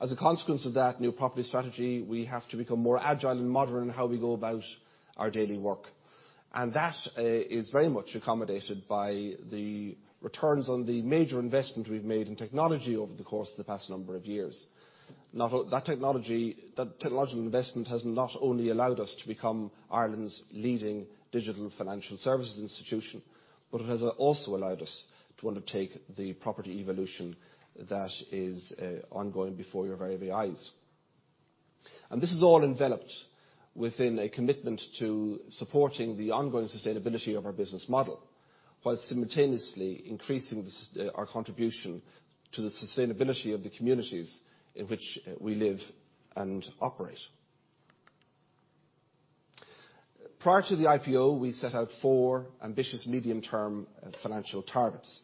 As a consequence of that new property strategy, we have to become more agile and modern in how we go about our daily work. That is very much accommodated by the returns on the major investment we've made in technology over the course of the past number of years. That technological investment has not only allowed us to become Ireland's leading digital financial services institution, but it has also allowed us to undertake the property evolution that is ongoing before your very, very eyes. This is all enveloped within a commitment to supporting the ongoing sustainability of our business model, while simultaneously increasing our contribution to the sustainability of the communities in which we live and operate. Prior to the IPO, we set out four ambitious medium-term financial targets.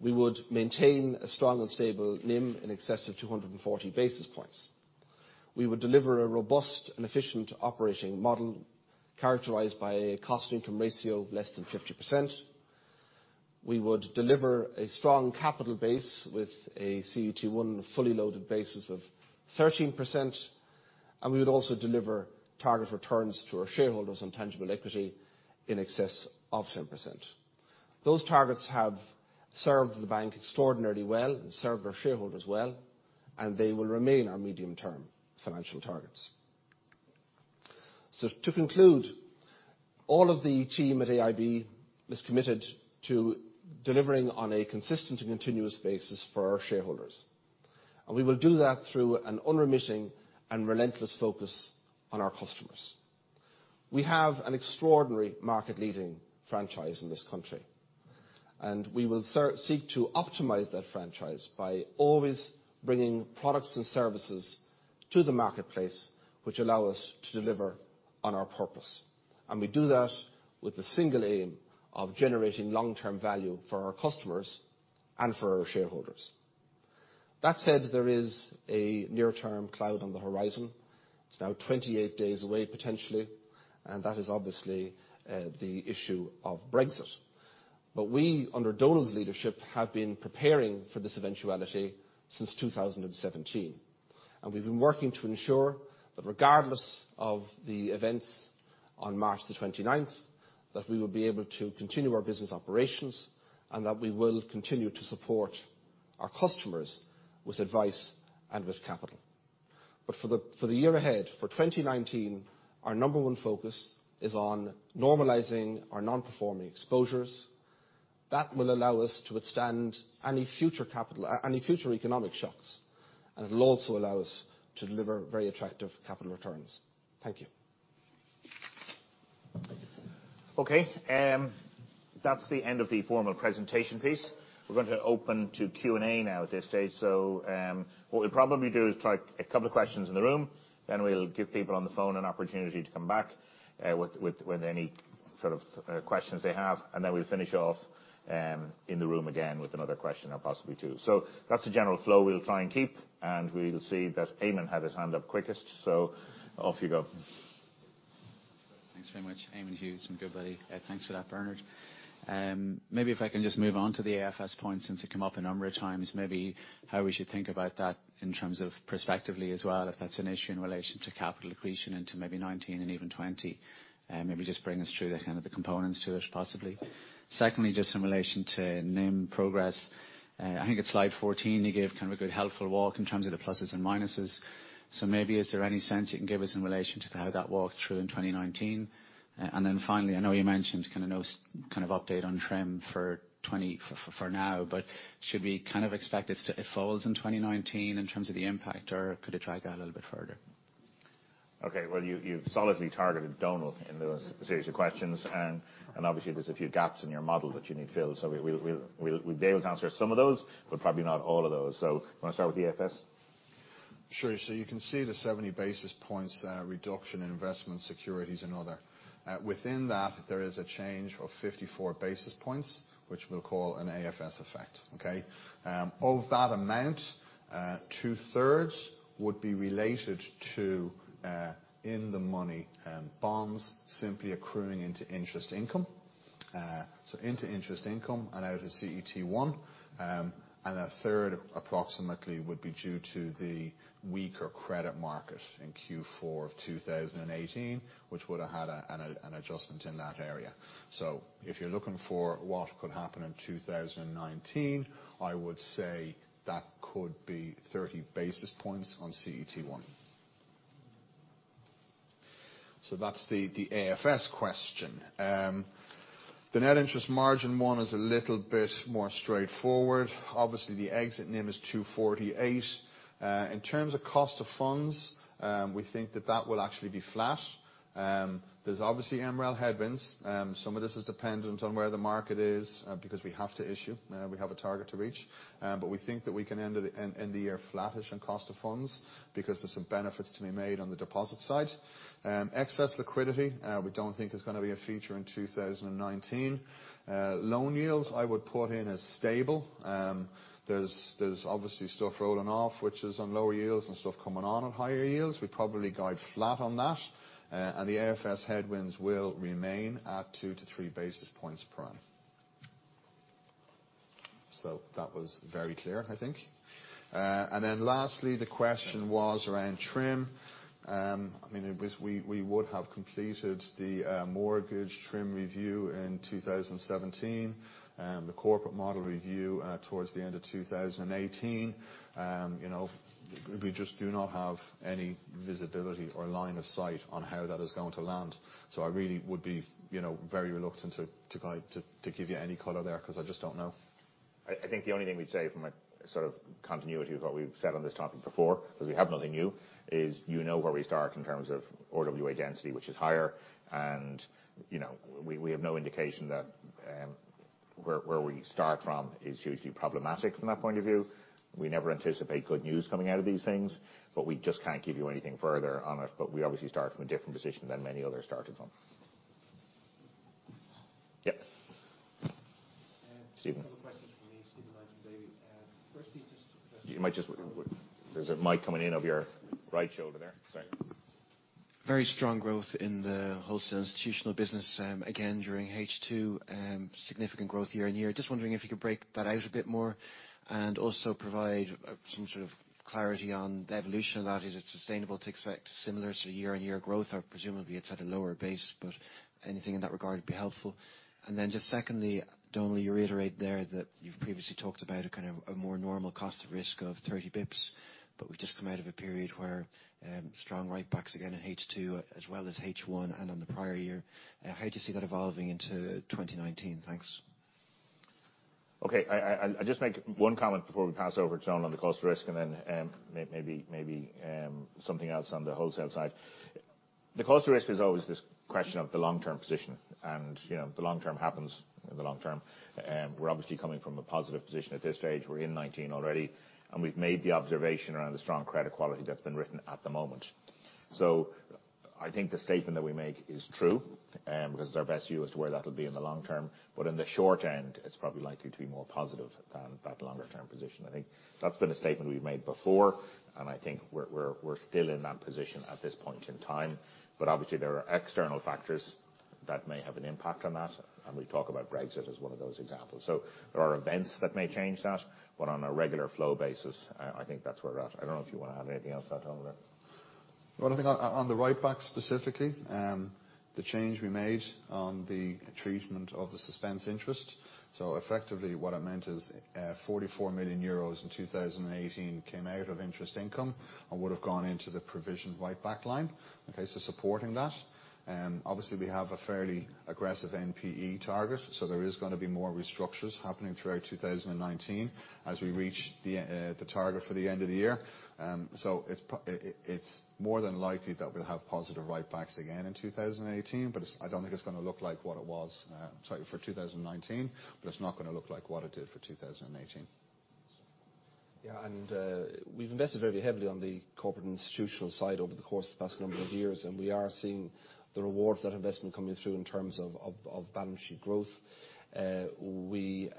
We would maintain a strong and stable NIM in excess of 240 basis points. We would deliver a robust and efficient operating model characterized by a cost-to-income ratio of less than 50%. We would deliver a strong capital base with a CET1 fully loaded basis of 13%, and we would also deliver target returns to our shareholders on tangible equity in excess of 10%. Those targets have served the bank extraordinarily well and served our shareholders well. They will remain our medium-term financial targets. To conclude, all of the team at AIB is committed to delivering on a consistent and continuous basis for our shareholders. We will do that through an unremitting and relentless focus on our customers. We have an extraordinary market-leading franchise in this country. We will seek to optimize that franchise by always bringing products and services to the marketplace, which allow us to deliver on our purpose. We do that with the single aim of generating long-term value for our customers and for our shareholders. That said, there is a near-term cloud on the horizon. It's now 28 days away, potentially, and that is obviously the issue of Brexit. We, under Donal's leadership, have been preparing for this eventuality since 2017, and we've been working to ensure that regardless of the events on March the 29th, that we will be able to continue our business operations and that we will continue to support our customers with advice and with capital. For the year ahead, for 2019, our number 1 focus is on normalizing our non-performing exposures. That will allow us to withstand any future economic shocks, and it will also allow us to deliver very attractive capital returns. Thank you. Okay. That's the end of the formal presentation piece. We're going to open to Q&A now at this stage. What we'll probably do is take a couple of questions in the room, then we'll give people on the phone an opportunity to come back with any questions they have, and then we'll finish off in the room again with another question or possibly two. That's the general flow we'll try and keep, and we'll see that Eamonn had his hand up quickest. Off you go. Thanks very much. Eamonn Hughes from Goodbody Stockbrokers. Thanks for that, Bernard. Maybe if I can just move on to the AFS point since it came up a number of times, maybe how we should think about that in terms of prospectively as well, if that's an issue in relation to capital accretion into maybe 2019 and even 2020. Maybe just bring us through the kind of the components to it, possibly. Secondly, just in relation to NIM progress, I think it's slide 14, you gave kind of a good helpful walk in terms of the pluses and minuses. Maybe is there any sense you can give us in relation to how that walks through in 2019? Finally, I know you mentioned kind of no update on TRIM for now, but should we kind of expect it falls in 2019 in terms of the impact, or could it drag out a little bit further? Okay. Well, you've solidly targeted Donal in those series of questions, and obviously there's a few gaps in your model that you need filled. We'll be able to answer some of those, but probably not all of those. Want to start with AFS? You can see the 70 basis points reduction in investment securities and other. Within that, there is a change of 54 basis points, which we'll call an AFS effect. Okay. Of that amount, two-thirds would be related to in the money bonds simply accruing into interest income. Into interest income and out of CET1. A third approximately would be due to the weaker credit market in Q4 of 2018, which would have had an adjustment in that area. If you're looking for what could happen in 2019, I would say that could be 30 basis points on CET1. That's the AFS question. The net interest margin one is a little bit more straightforward. Obviously, the exit NIM is 248. In terms of cost of funds, we think that that will actually be flat. There's obviously MREL headwinds. Some of this is dependent on where the market is, because we have to issue. We have a target to reach. We think that we can end the year flattish on cost of funds because there's some benefits to be made on the deposit side. Excess liquidity we don't think is going to be a feature in 2019. Loan yields, I would put in as stable. There's obviously stuff rolling off, which is on lower yields and stuff coming on at higher yields. We probably guide flat on that. The AFS headwinds will remain at two to three basis points per annum. That was very clear, I think. Lastly, the question was around TRIM. We would have completed the mortgage TRIM review in 2017, the corporate model review towards the end of 2018. We just do not have any visibility or line of sight on how that is going to land. I really would be very reluctant to give you any color there, because I just don't know. I think the only thing we'd say from a sort of continuity of what we've said on this topic before, because we have nothing new, is you know where we start in terms of RWA density, which is higher. We have no indication that where we start from is usually problematic from that point of view. We never anticipate good news coming out of these things, we just can't give you anything further on it. We obviously start from a different position than many others started from. Yeah. Stephen. A couple questions from me, Stephen Lang from DB. You might just wait. There's a mic coming in of your right shoulder there. Sorry. Very strong growth in the wholesale institutional business, again during H2, significant growth year-over-year. Wondering if you could break that out a bit more and also provide some sort of clarity on the evolution of that. Is it sustainable to expect similar year-over-year growth? Presumably it's at a lower base, but anything in that regard would be helpful. Then secondly, Donal, you reiterate there that you've previously talked about a more normal cost of risk of 30 basis points, but we've just come out of a period where strong write-backs again in H2 as well as H1 and on the prior year. How do you see that evolving into 2019? Thanks. I'll just make one comment before we pass over to Donal on the cost of risk. Then maybe something else on the wholesale side. The cost of risk is always this question of the long-term position. The long term happens in the long term. We're obviously coming from a positive position at this stage. We're in 2019 already. We've made the observation around the strong credit quality that's been written at the moment. I think the statement that we make is true, because it's our best view as to where that'll be in the long term. In the short end, it's probably likely to be more positive than that longer-term position. I think that's been a statement we've made before. I think we're still in that position at this point in time. Obviously, there are external factors that may have an impact on that, and we talk about Brexit as one of those examples. There are events that may change that, but on a regular flow basis, I think that's where we're at. I don't know if you want to add anything else to that, Donal. I think on the write-backs specifically, the change we made on the treatment of the suspense interest. Effectively, what it meant is 44 million euros in 2018 came out of interest income and would have gone into the provision write-back line. Okay? Supporting that. Obviously, we have a fairly aggressive NPE target, there is going to be more restructures happening throughout 2019 as we reach the target for the end of the year. It's more than likely that we'll have positive write-backs again in 2018, but I don't think it's going to look like what it was, sorry, for 2019, but it's not going to look like what it did for 2018. We've invested very heavily on the corporate institutional side over the course of the past number of years, we are seeing the rewards of that investment coming through in terms of balance sheet growth. We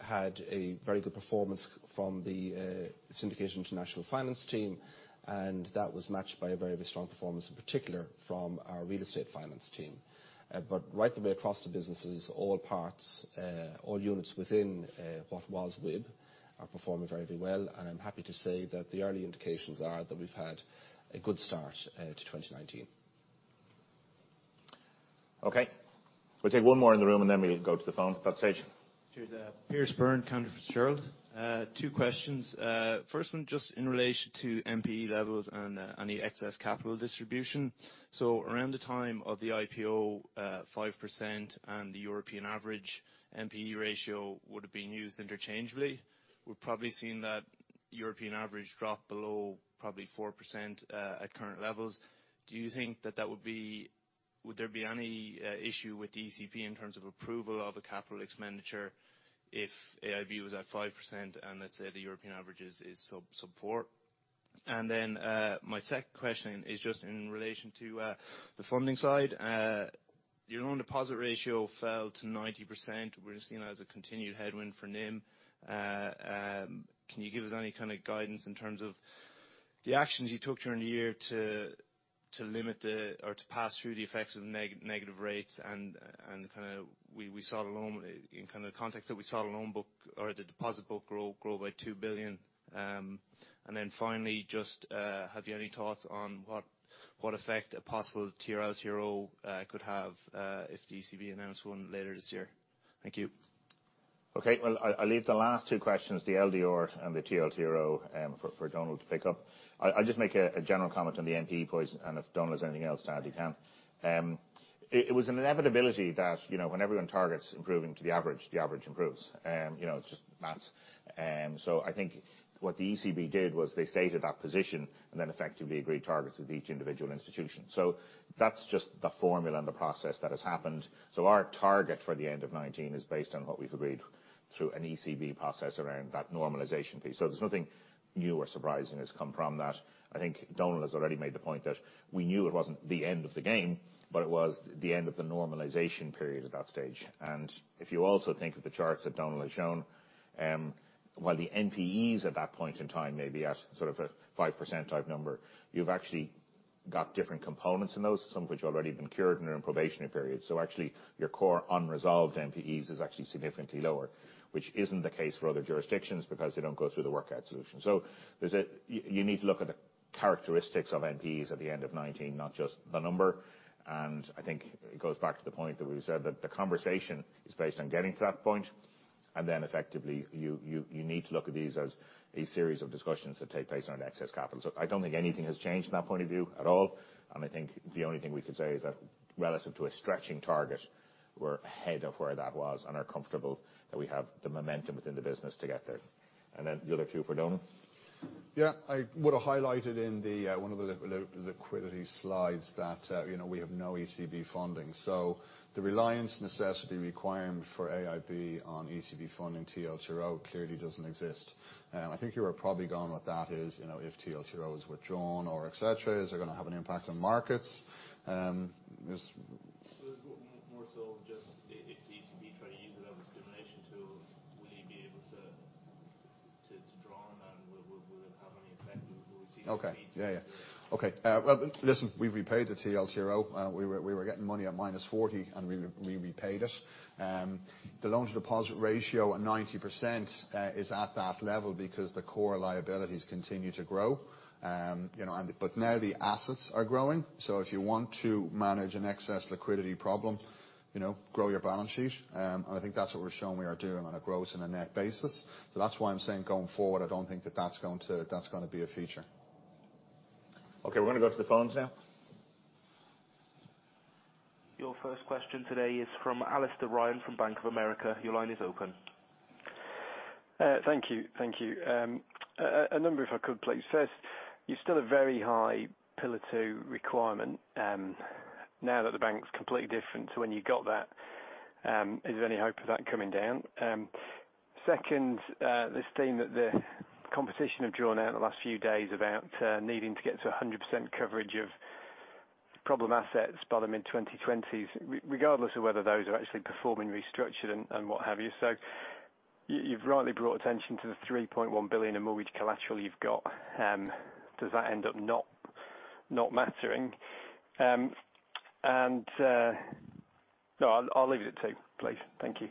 had a very good performance from the Syndicated & International Finance team, that was matched by a very strong performance in particular from our real estate finance team. Right the way across the businesses, all parts, all units within what was WIB are performing very, very well, I'm happy to say that the early indications are that we've had a good start to 2019. Okay. We'll take one more in the room, then we'll go to the phone at that stage. Cheers. Pierce Byrne, Cantor Fitzgerald. Two questions. First one just in relation to NPE levels and the excess capital distribution. Around the time of the IPO, 5% and the European average NPE ratio would have been used interchangeably. We're probably seeing that European average drop below probably 4% at current levels. Do you think would there be any issue with the ECB in terms of approval of a capital expenditure if AIB was at 5% and let's say the European average is sub 4%? My second question is just in relation to the funding side. Your own deposit ratio fell to 90%, we're seeing it as a continued headwind for NIM. Can you give us any kind of guidance in terms of the actions you took during the year to limit or to pass through the effects of negative rates and we saw it in kind of the context that we saw the loan book or the deposit book grow by 2 billion. Finally, just have you any thoughts on what effect a possible TLTRO could have if the ECB announced one later this year? Thank you. Well, I'll leave the last two questions, the LDR and the TLTRO for Donal to pick up. I'll just make a general comment on the NPE point, and if Donal has anything else to add, he can. It was an inevitability that when everyone targets improving to the average, the average improves. It's just math. I think what the ECB did was they stated that position and then effectively agreed targets with each individual institution. That's just the formula and the process that has happened. Our target for the end of 2019 is based on what we've agreed through an ECB process around that normalization piece. There's nothing new or surprising has come from that. I think Donal has already made the point that we knew it wasn't the end of the game, but it was the end of the normalization period at that stage. If you also think of the charts that Donal has shown, while the NPEs at that point in time may be at sort of a 5% type number, you've actually got different components in those, some of which have already been cured and are in probationary periods. Actually your core unresolved NPEs is actually significantly lower, which isn't the case for other jurisdictions because they don't go through the workout solution. You need to look at the characteristics of NPEs at the end of 2019, not just the number. I think it goes back to the point that we said that the conversation is based on getting to that point, and then effectively you need to look at these as a series of discussions that take place around excess capital. I don't think anything has changed from that point of view at all. I think the only thing we could say is that relative to a stretching target, we're ahead of where that was and are comfortable that we have the momentum within the business to get there. The other two for Donal. Yeah. I would have highlighted in one of the liquidity slides that we have no ECB funding. The reliance necessity requirement for AIB on ECB funding TLTRO clearly doesn't exist. I think you were probably going what that is, if TLTRO is withdrawn or et cetera, is it going to have an impact on markets? More so just if the ECB try to use it as a stimulation tool, will you be able to draw on that, and will it have any effect? Will we see - Okay. Yeah. Okay. Listen, we've repaid the TLTRO. We were getting money at minus 40, and we repaid it. The loan-to-deposit ratio at 90% is at that level because the core liabilities continue to grow. Now the assets are growing. If you want to manage an excess liquidity problem, grow your balance sheet. I think that's what we're showing we are doing on a gross and a net basis. That's why I'm saying going forward, I don't think that that's going to be a feature. Okay, we're going to go to the phones now. Your first question today is from Alastair Ryan from Bank of America. Your line is open. Thank you. A number if I could, please. You still have very high Pillar 2 requirement now that the bank's completely different to when you got that. Is there any hope of that coming down? This theme that the competition have drawn out in the last few days about needing to get to 100% coverage of problem assets by the mid-2020s, regardless of whether those are actually performing restructured and what have you. You've rightly brought attention to the 3.1 billion in mortgage collateral you've got. Does that end up not mattering? No, I'll leave it at two, please. Thank you.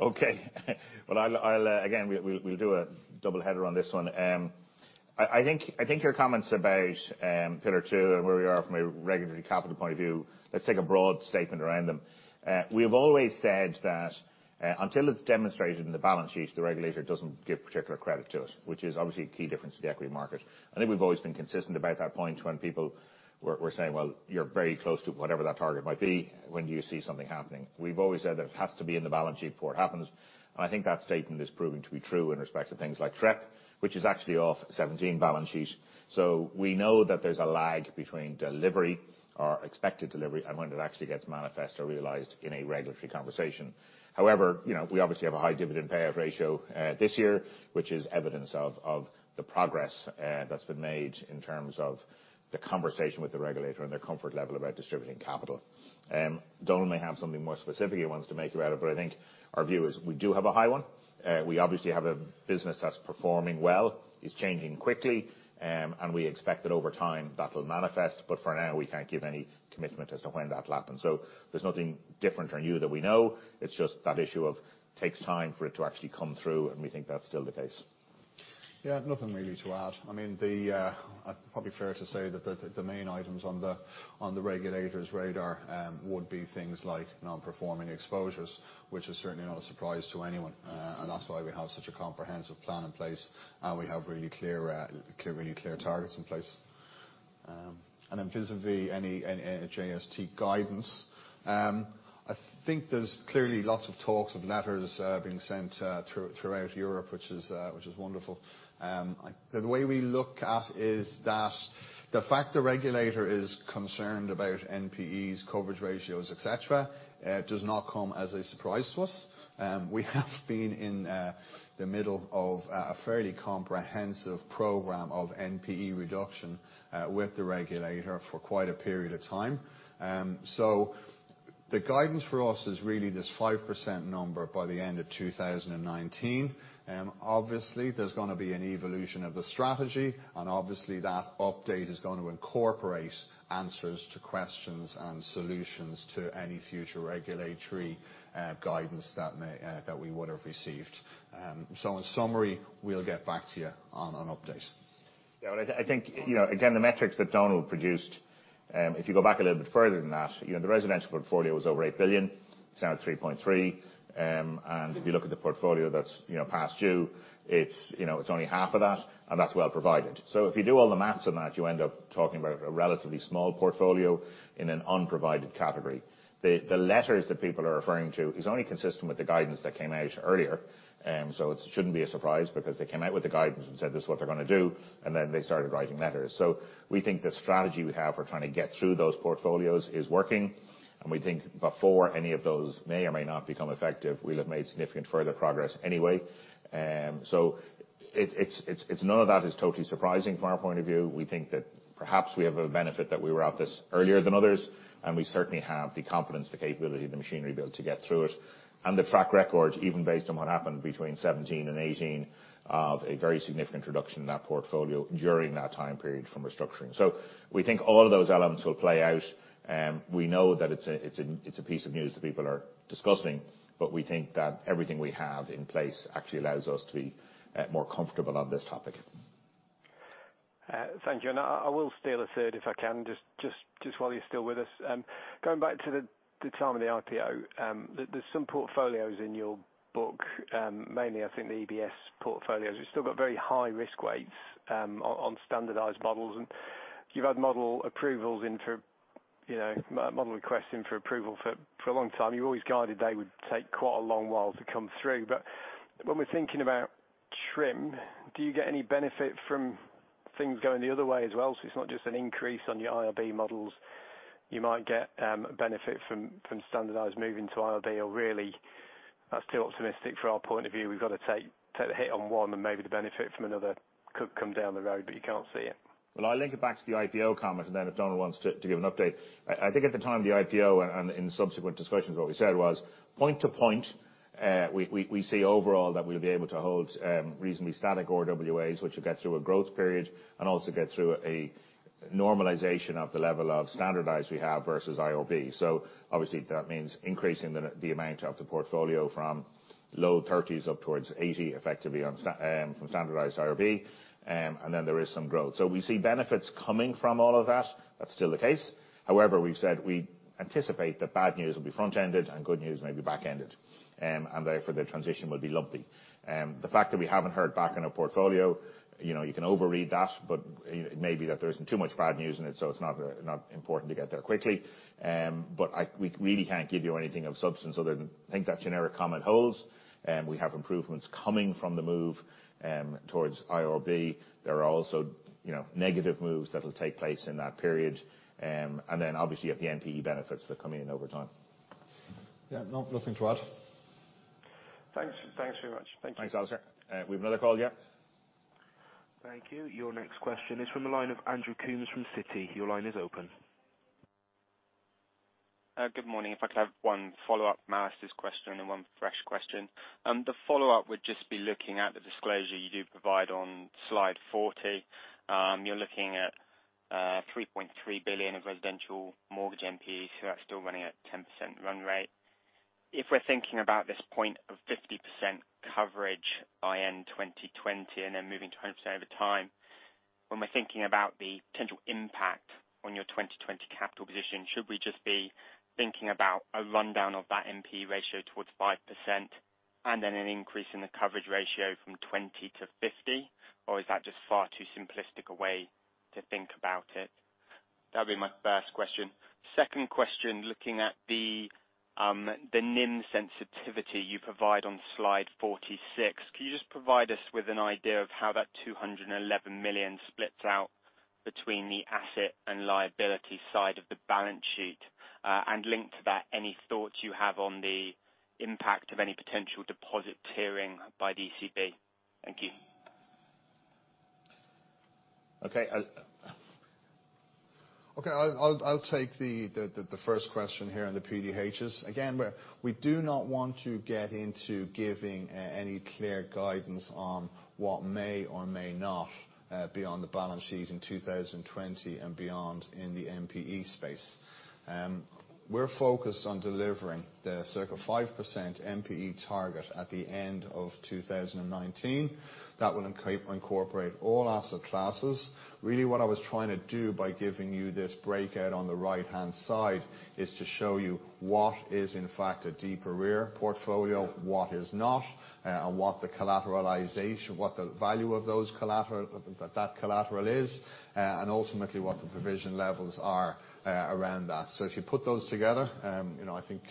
Okay. Well, again, we'll do a double header on this one. I think your comments about Pillar 2 and where we are from a regulatory capital point of view, let's take a broad statement around them. We have always said that until it's demonstrated in the balance sheet, the regulator doesn't give particular credit to it, which is obviously a key difference to the equity market. I think we've always been consistent about that point when people were saying, "Well, you're very close to whatever that target might be. When do you see something happening?" We've always said that it has to be in the balance sheet before it happens, and I think that statement is proving to be true in respect to things like TREP, which is actually off 2017 balance sheet. We know that there's a lag between delivery or expected delivery and when it actually gets manifest or realized in a regulatory conversation. However, we obviously have a high dividend payout ratio this year, which is evidence of the progress that's been made in terms of the conversation with the regulator and their comfort level about distributing capital. Donal may have something more specific he wants to make you aware of, but I think our view is we do have a high one. We obviously have a business that's performing well, is changing quickly, and we expect that over time that'll manifest. For now, we can't give any commitment as to when that'll happen. There's nothing different or new that we know. It's just that issue of takes time for it to actually come through, and we think that's still the case. Yeah, nothing really to add. Probably fair to say that the main items on the regulator's radar would be things like non-performing exposures, which is certainly not a surprise to anyone. That's why we have such a comprehensive plan in place, and we have really clear targets in place. Then vis-à-vis any JST guidance, I think there's clearly lots of talks of letters being sent throughout Europe, which is wonderful. The way we look at is that the fact the regulator is concerned about NPE's coverage ratios, et cetera, does not come as a surprise to us. We have been in the middle of a fairly comprehensive program of NPE reduction with the regulator for quite a period of time. The guidance for us is really this 5% number by the end of 2019. Obviously, there's going to be an evolution of the strategy, and obviously that update is going to incorporate answers to questions and solutions to any future regulatory guidance that we would have received. In summary, we'll get back to you on an update. Yeah. I think, again, the metrics that Donal produced, if you go back a little bit further than that, the residential portfolio was over 8 billion. It's now at 3.3 billion. If you look at the portfolio that's past due, it's only half of that, and that's well provided. If you do all the maths on that, you end up talking about a relatively small portfolio in an unprovided category. The letters that people are referring to is only consistent with the guidance that came out earlier. It shouldn't be a surprise because they came out with the guidance and said this is what they're going to do, and then they started writing letters. We think the strategy we have for trying to get through those portfolios is working. We think before any of those may or may not become effective, we'll have made significant further progress anyway. None of that is totally surprising from our point of view. We think that perhaps we have a benefit that we were at this earlier than others. We certainly have the competence, the capability, the machinery built to get through it. The track record, even based on what happened between 2017 and 2018, of a very significant reduction in that portfolio during that time period from restructuring. We think all of those elements will play out. We know that it's a piece of news that people are discussing. We think that everything we have in place actually allows us to be more comfortable on this topic. Thank you. I will steal a third if I can, just while you're still with us. Going back to the time of the IPO, there's some portfolios in your book, mainly I think the EBS portfolios, which still got very high risk weights on standardized models. You've had model approvals in for model requesting for approval for a long time. You always guided they would take quite a long while to come through. When we're thinking about TRIM, do you get any benefit from things going the other way as well? It's not just an increase on your IRB models, you might get benefit from standardized moving to IRB. Really that's too optimistic for our point of view. We've got to take the hit on one and maybe the benefit from another could come down the road, you can't see it. Well, I link it back to the IPO comment. Then if Donal wants to give an update. I think at the time the IPO and in subsequent discussions, what we said was point to point, we see overall that we'll be able to hold reasonably static RWAs, which will get through a growth period and also get through a normalization of the level of standardized we have versus IRB. Obviously that means increasing the amount of the portfolio from low 30s up towards 80, effectively from standardized IRB. Then there is some growth. We see benefits coming from all of that. That's still the case. However, we've said we anticipate that bad news will be front-ended and good news may be back-ended, therefore the transition will be lumpy. The fact that we haven't heard back on a portfolio, you can overread that. It may be that there isn't too much bad news in it's not important to get there quickly. We really can't give you anything of substance other than think that generic comment holds. We have improvements coming from the move towards IRB. There are also negative moves that'll take place in that period. Then obviously you have the NPE benefits that are coming in over time. Yeah, nothing to add. Thanks very much. Thank you. Thanks, Alastair. We have another call, yeah? Thank you. Your next question is from the line of Andrew Coombs from Citi. Your line is open. Good morning. If I could have one follow-up to Alastair's question and one fresh question. The follow-up would just be looking at the disclosure you do provide on slide 40. You're looking at 3.3 billion of residential mortgage NPEs who are still running at 10% run rate. If we're thinking about this point of 50% coverage by end 2020 and then moving to 100% over time, when we're thinking about the potential impact on your 2020 capital position, should we just be thinking about a rundown of that NPE ratio towards 5% and then an increase in the coverage ratio from 20 to 50? Is that just far too simplistic a way to think about it? That'd be my first question. Second question, looking at the NIM sensitivity you provide on slide 46, can you just provide us with an idea of how that 211 million splits out between the asset and liability side of the balance sheet? Linked to that, any thoughts you have on the impact of any potential deposit tiering by the ECB? Thank you. Okay. Okay. I'll take the first question here on the PDHs. Again, we do not want to get into giving any clear guidance on what may or may not be on the balance sheet in 2020 and beyond in the NPE space. We're focused on delivering the circa 5% NPE target at the end of 2019. That will incorporate all asset classes. Really what I was trying to do by giving you this breakout on the right-hand side is to show you what is in fact a deeper rear portfolio, what is not, and what the value of that collateral is, and ultimately what the provision levels are around that. If you put those together, I think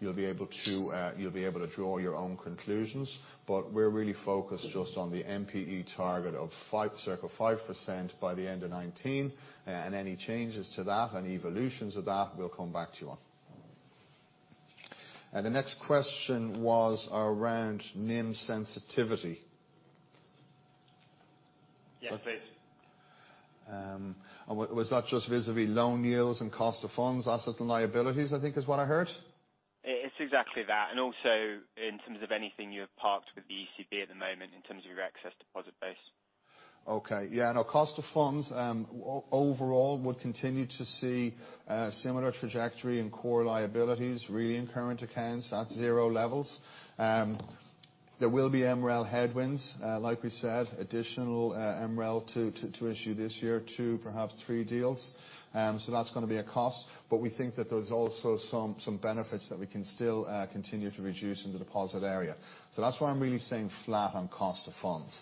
you'll be able to draw your own conclusions. We're really focused just on the NPE target of circa 5% by the end of 2019. Any changes to that, any evolutions of that, we'll come back to you on. The next question was around NIM sensitivity. Yes, please. Was that just vis-à-vis loan yields and cost of funds, assets and liabilities, I think is what I heard? It's exactly that. Also in terms of anything you have parked with the ECB at the moment in terms of your excess deposit base. Cost of funds overall would continue to see similar trajectory in core liabilities, really in current accounts at zero levels. There will be MREL headwinds, like we said, additional MREL to issue this year, two, perhaps three deals. That's going to be a cost, but we think that there's also some benefits that we can still continue to reduce in the deposit area. That's why I'm really saying flat on cost of funds.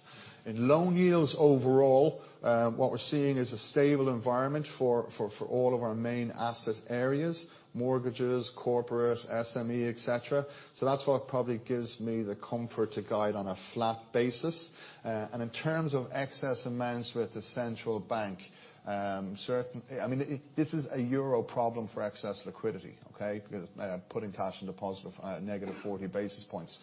In loan yields overall, what we're seeing is a stable environment for all of our main asset areas, mortgages, corporate, SME, et cetera. That's what probably gives me the comfort to guide on a flat basis. In terms of excess amounts with the central bank, this is a euro problem for excess liquidity, okay? Because putting cash in deposit of negative 40 basis points.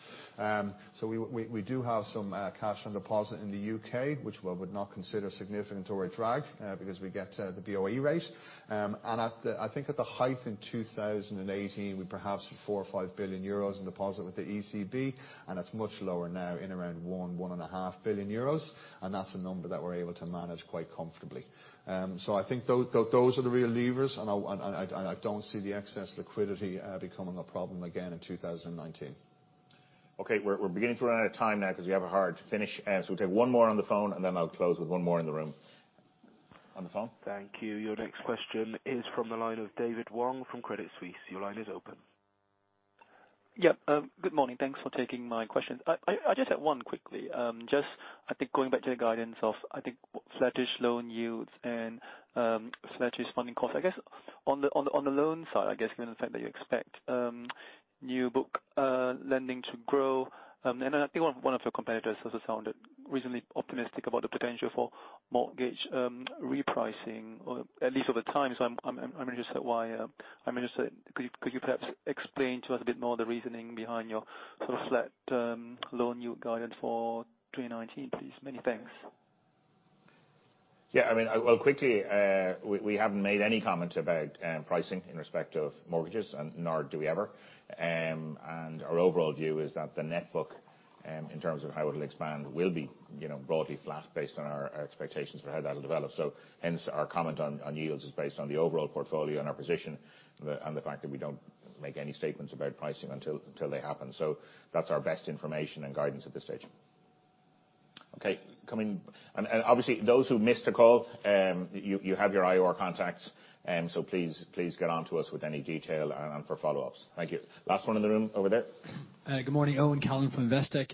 We do have some cash on deposit in the U.K., which we would not consider significant or a drag because we get the BOE rate. I think at the height in 2018, we perhaps were 4 billion or 5 billion euros in deposit with the ECB, and it's much lower now in around 1 billion euros, 1.5 billion euros. That's a number that we're able to manage quite comfortably. I think those are the real levers, and I don't see the excess liquidity becoming a problem again in 2019. Okay. We're beginning to run out of time now because we have a hard finish. We'll take one more on the phone, and then I'll close with one more in the room. On the phone. Thank you. Your next question is from the line of David Wong from Credit Suisse. Your line is open. Yeah. Good morning. Thanks for taking my question. I just have one quickly. I think going back to the guidance of, I think, flattish loan yields and flattish funding costs. I guess on the loan side, I guess given the fact that you expect new book lending to grow, and I think one of your competitors also sounded reasonably optimistic about the potential for mortgage repricing, or at least over time. I'm interested why. Could you perhaps explain to us a bit more the reasoning behind your sort of flat loan yield guidance for 2019, please? Many thanks. Well, quickly, we haven't made any comment about pricing in respect of mortgages, nor do we ever. Our overall view is that the net book, in terms of how it'll expand, will be broadly flat based on our expectations for how that'll develop. Hence our comment on yields is based on the overall portfolio and our position, and the fact that we don't make any statements about pricing until they happen. That's our best information and guidance at this stage. Okay. Obviously those who missed the call, you have your IR contacts, so please get onto us with any detail and for follow-ups. Thank you. Last one in the room over there. Good morning. Owen Callan from Investec.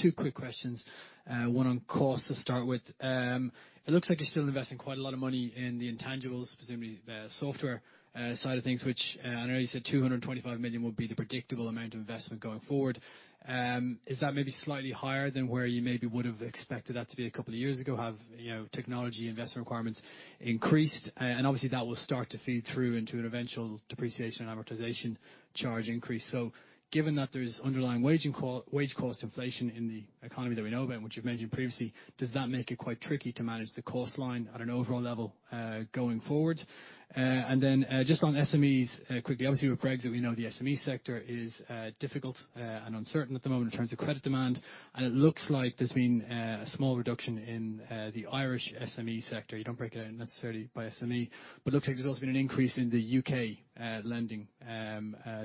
Two quick questions. One on cost to start with. It looks like you're still investing quite a lot of money in the intangibles, presumably the software side of things, which I know you said 225 million would be the predictable amount of investment going forward. Is that maybe slightly higher than where you maybe would have expected that to be a couple of years ago? Have technology investment requirements increased? Obviously that will start to feed through into an eventual depreciation and amortization charge increase. Given that there's underlying wage cost inflation in the economy that we know about, which you've mentioned previously, does that make it quite tricky to manage the cost line at an overall level, going forward? Then, on SMEs quickly, obviously with Brexit, we know the SME sector is difficult and uncertain at the moment in terms of credit demand, and it looks like there's been a small reduction in the Irish SME sector. You don't break it out necessarily by SME, but looks like there's also been an increase in the U.K. lending to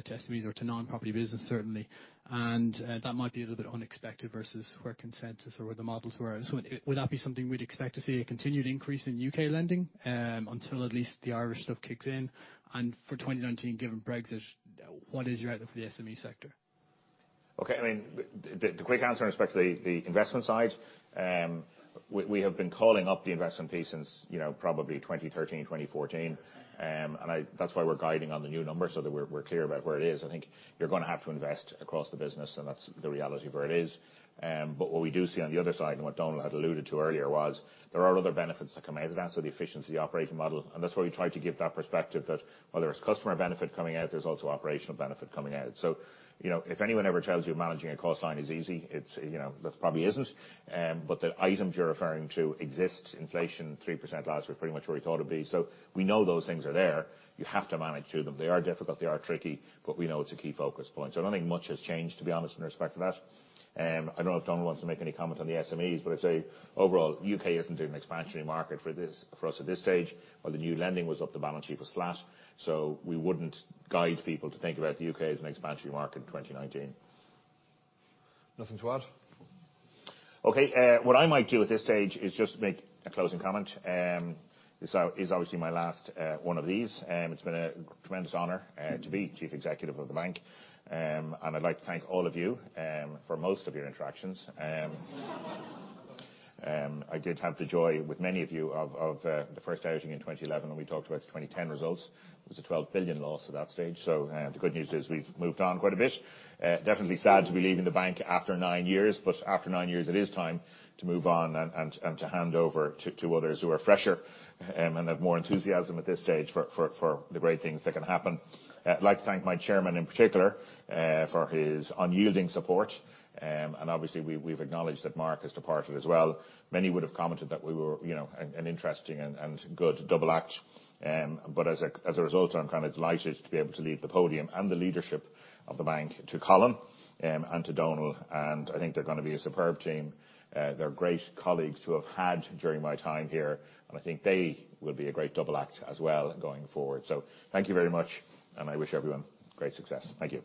SMEs or to non-property business certainly, and that might be a little bit unexpected versus where consensus or where the models were. Would that be something we'd expect to see a continued increase in U.K. lending, until at least the Irish stuff kicks in? For 2019, given Brexit, what is your outlook for the SME sector? Okay. The quick answer in respect to the investment side, we have been calling up the investment piece since probably 2013, 2014. That's why we're guiding on the new numbers so that we're clear about where it is. I think you're going to have to invest across the business, and that's the reality of where it is. What we do see on the other side, what Donal had alluded to earlier was, there are other benefits that come out of that, the efficiency operating model. That's why we tried to give that perspective that while there is customer benefit coming out, there's also operational benefit coming out. If anyone ever tells you managing a cost line is easy, it probably isn't. The items you're referring to exist. Inflation 3% last year, pretty much where we thought it'd be. We know those things are there. You have to manage to them. They are difficult, they are tricky, we know it's a key focus point. I don't think much has changed, to be honest, in respect of that. I don't know if Donal wants to make any comment on the SMEs, but I'd say overall, the U.K. isn't an expansionary market for us at this stage. While the new lending was up, the balance sheet was flat. We wouldn't guide people to think about the U.K. as an expansionary market in 2019. Nothing to add. Okay. What I might do at this stage is just make a closing comment. This is obviously my last one of these. It's been a tremendous honor to be Chief Executive of the bank. I'd like to thank all of you for most of your interactions. I did have the joy, with many of you, of the first outing in 2011 when we talked about the 2010 results. It was a 12 billion loss at that stage. The good news is we've moved on quite a bit. Definitely sad to be leaving the bank after nine years, but after nine years it is time to move on and to hand over to others who are fresher and have more enthusiasm at this stage for the great things that can happen. I'd like to thank my Chairman in particular, for his unyielding support. Obviously we've acknowledged that Mark has departed as well. Many would have commented that we were an interesting and good double act. As a result, I'm kind of delighted to be able to leave the podium and the leadership of the bank to Colin and to Donal, I think they're going to be a superb team. They're great colleagues to have had during my time here, I think they will be a great double act as well going forward. Thank you very much, I wish everyone great success. Thank you.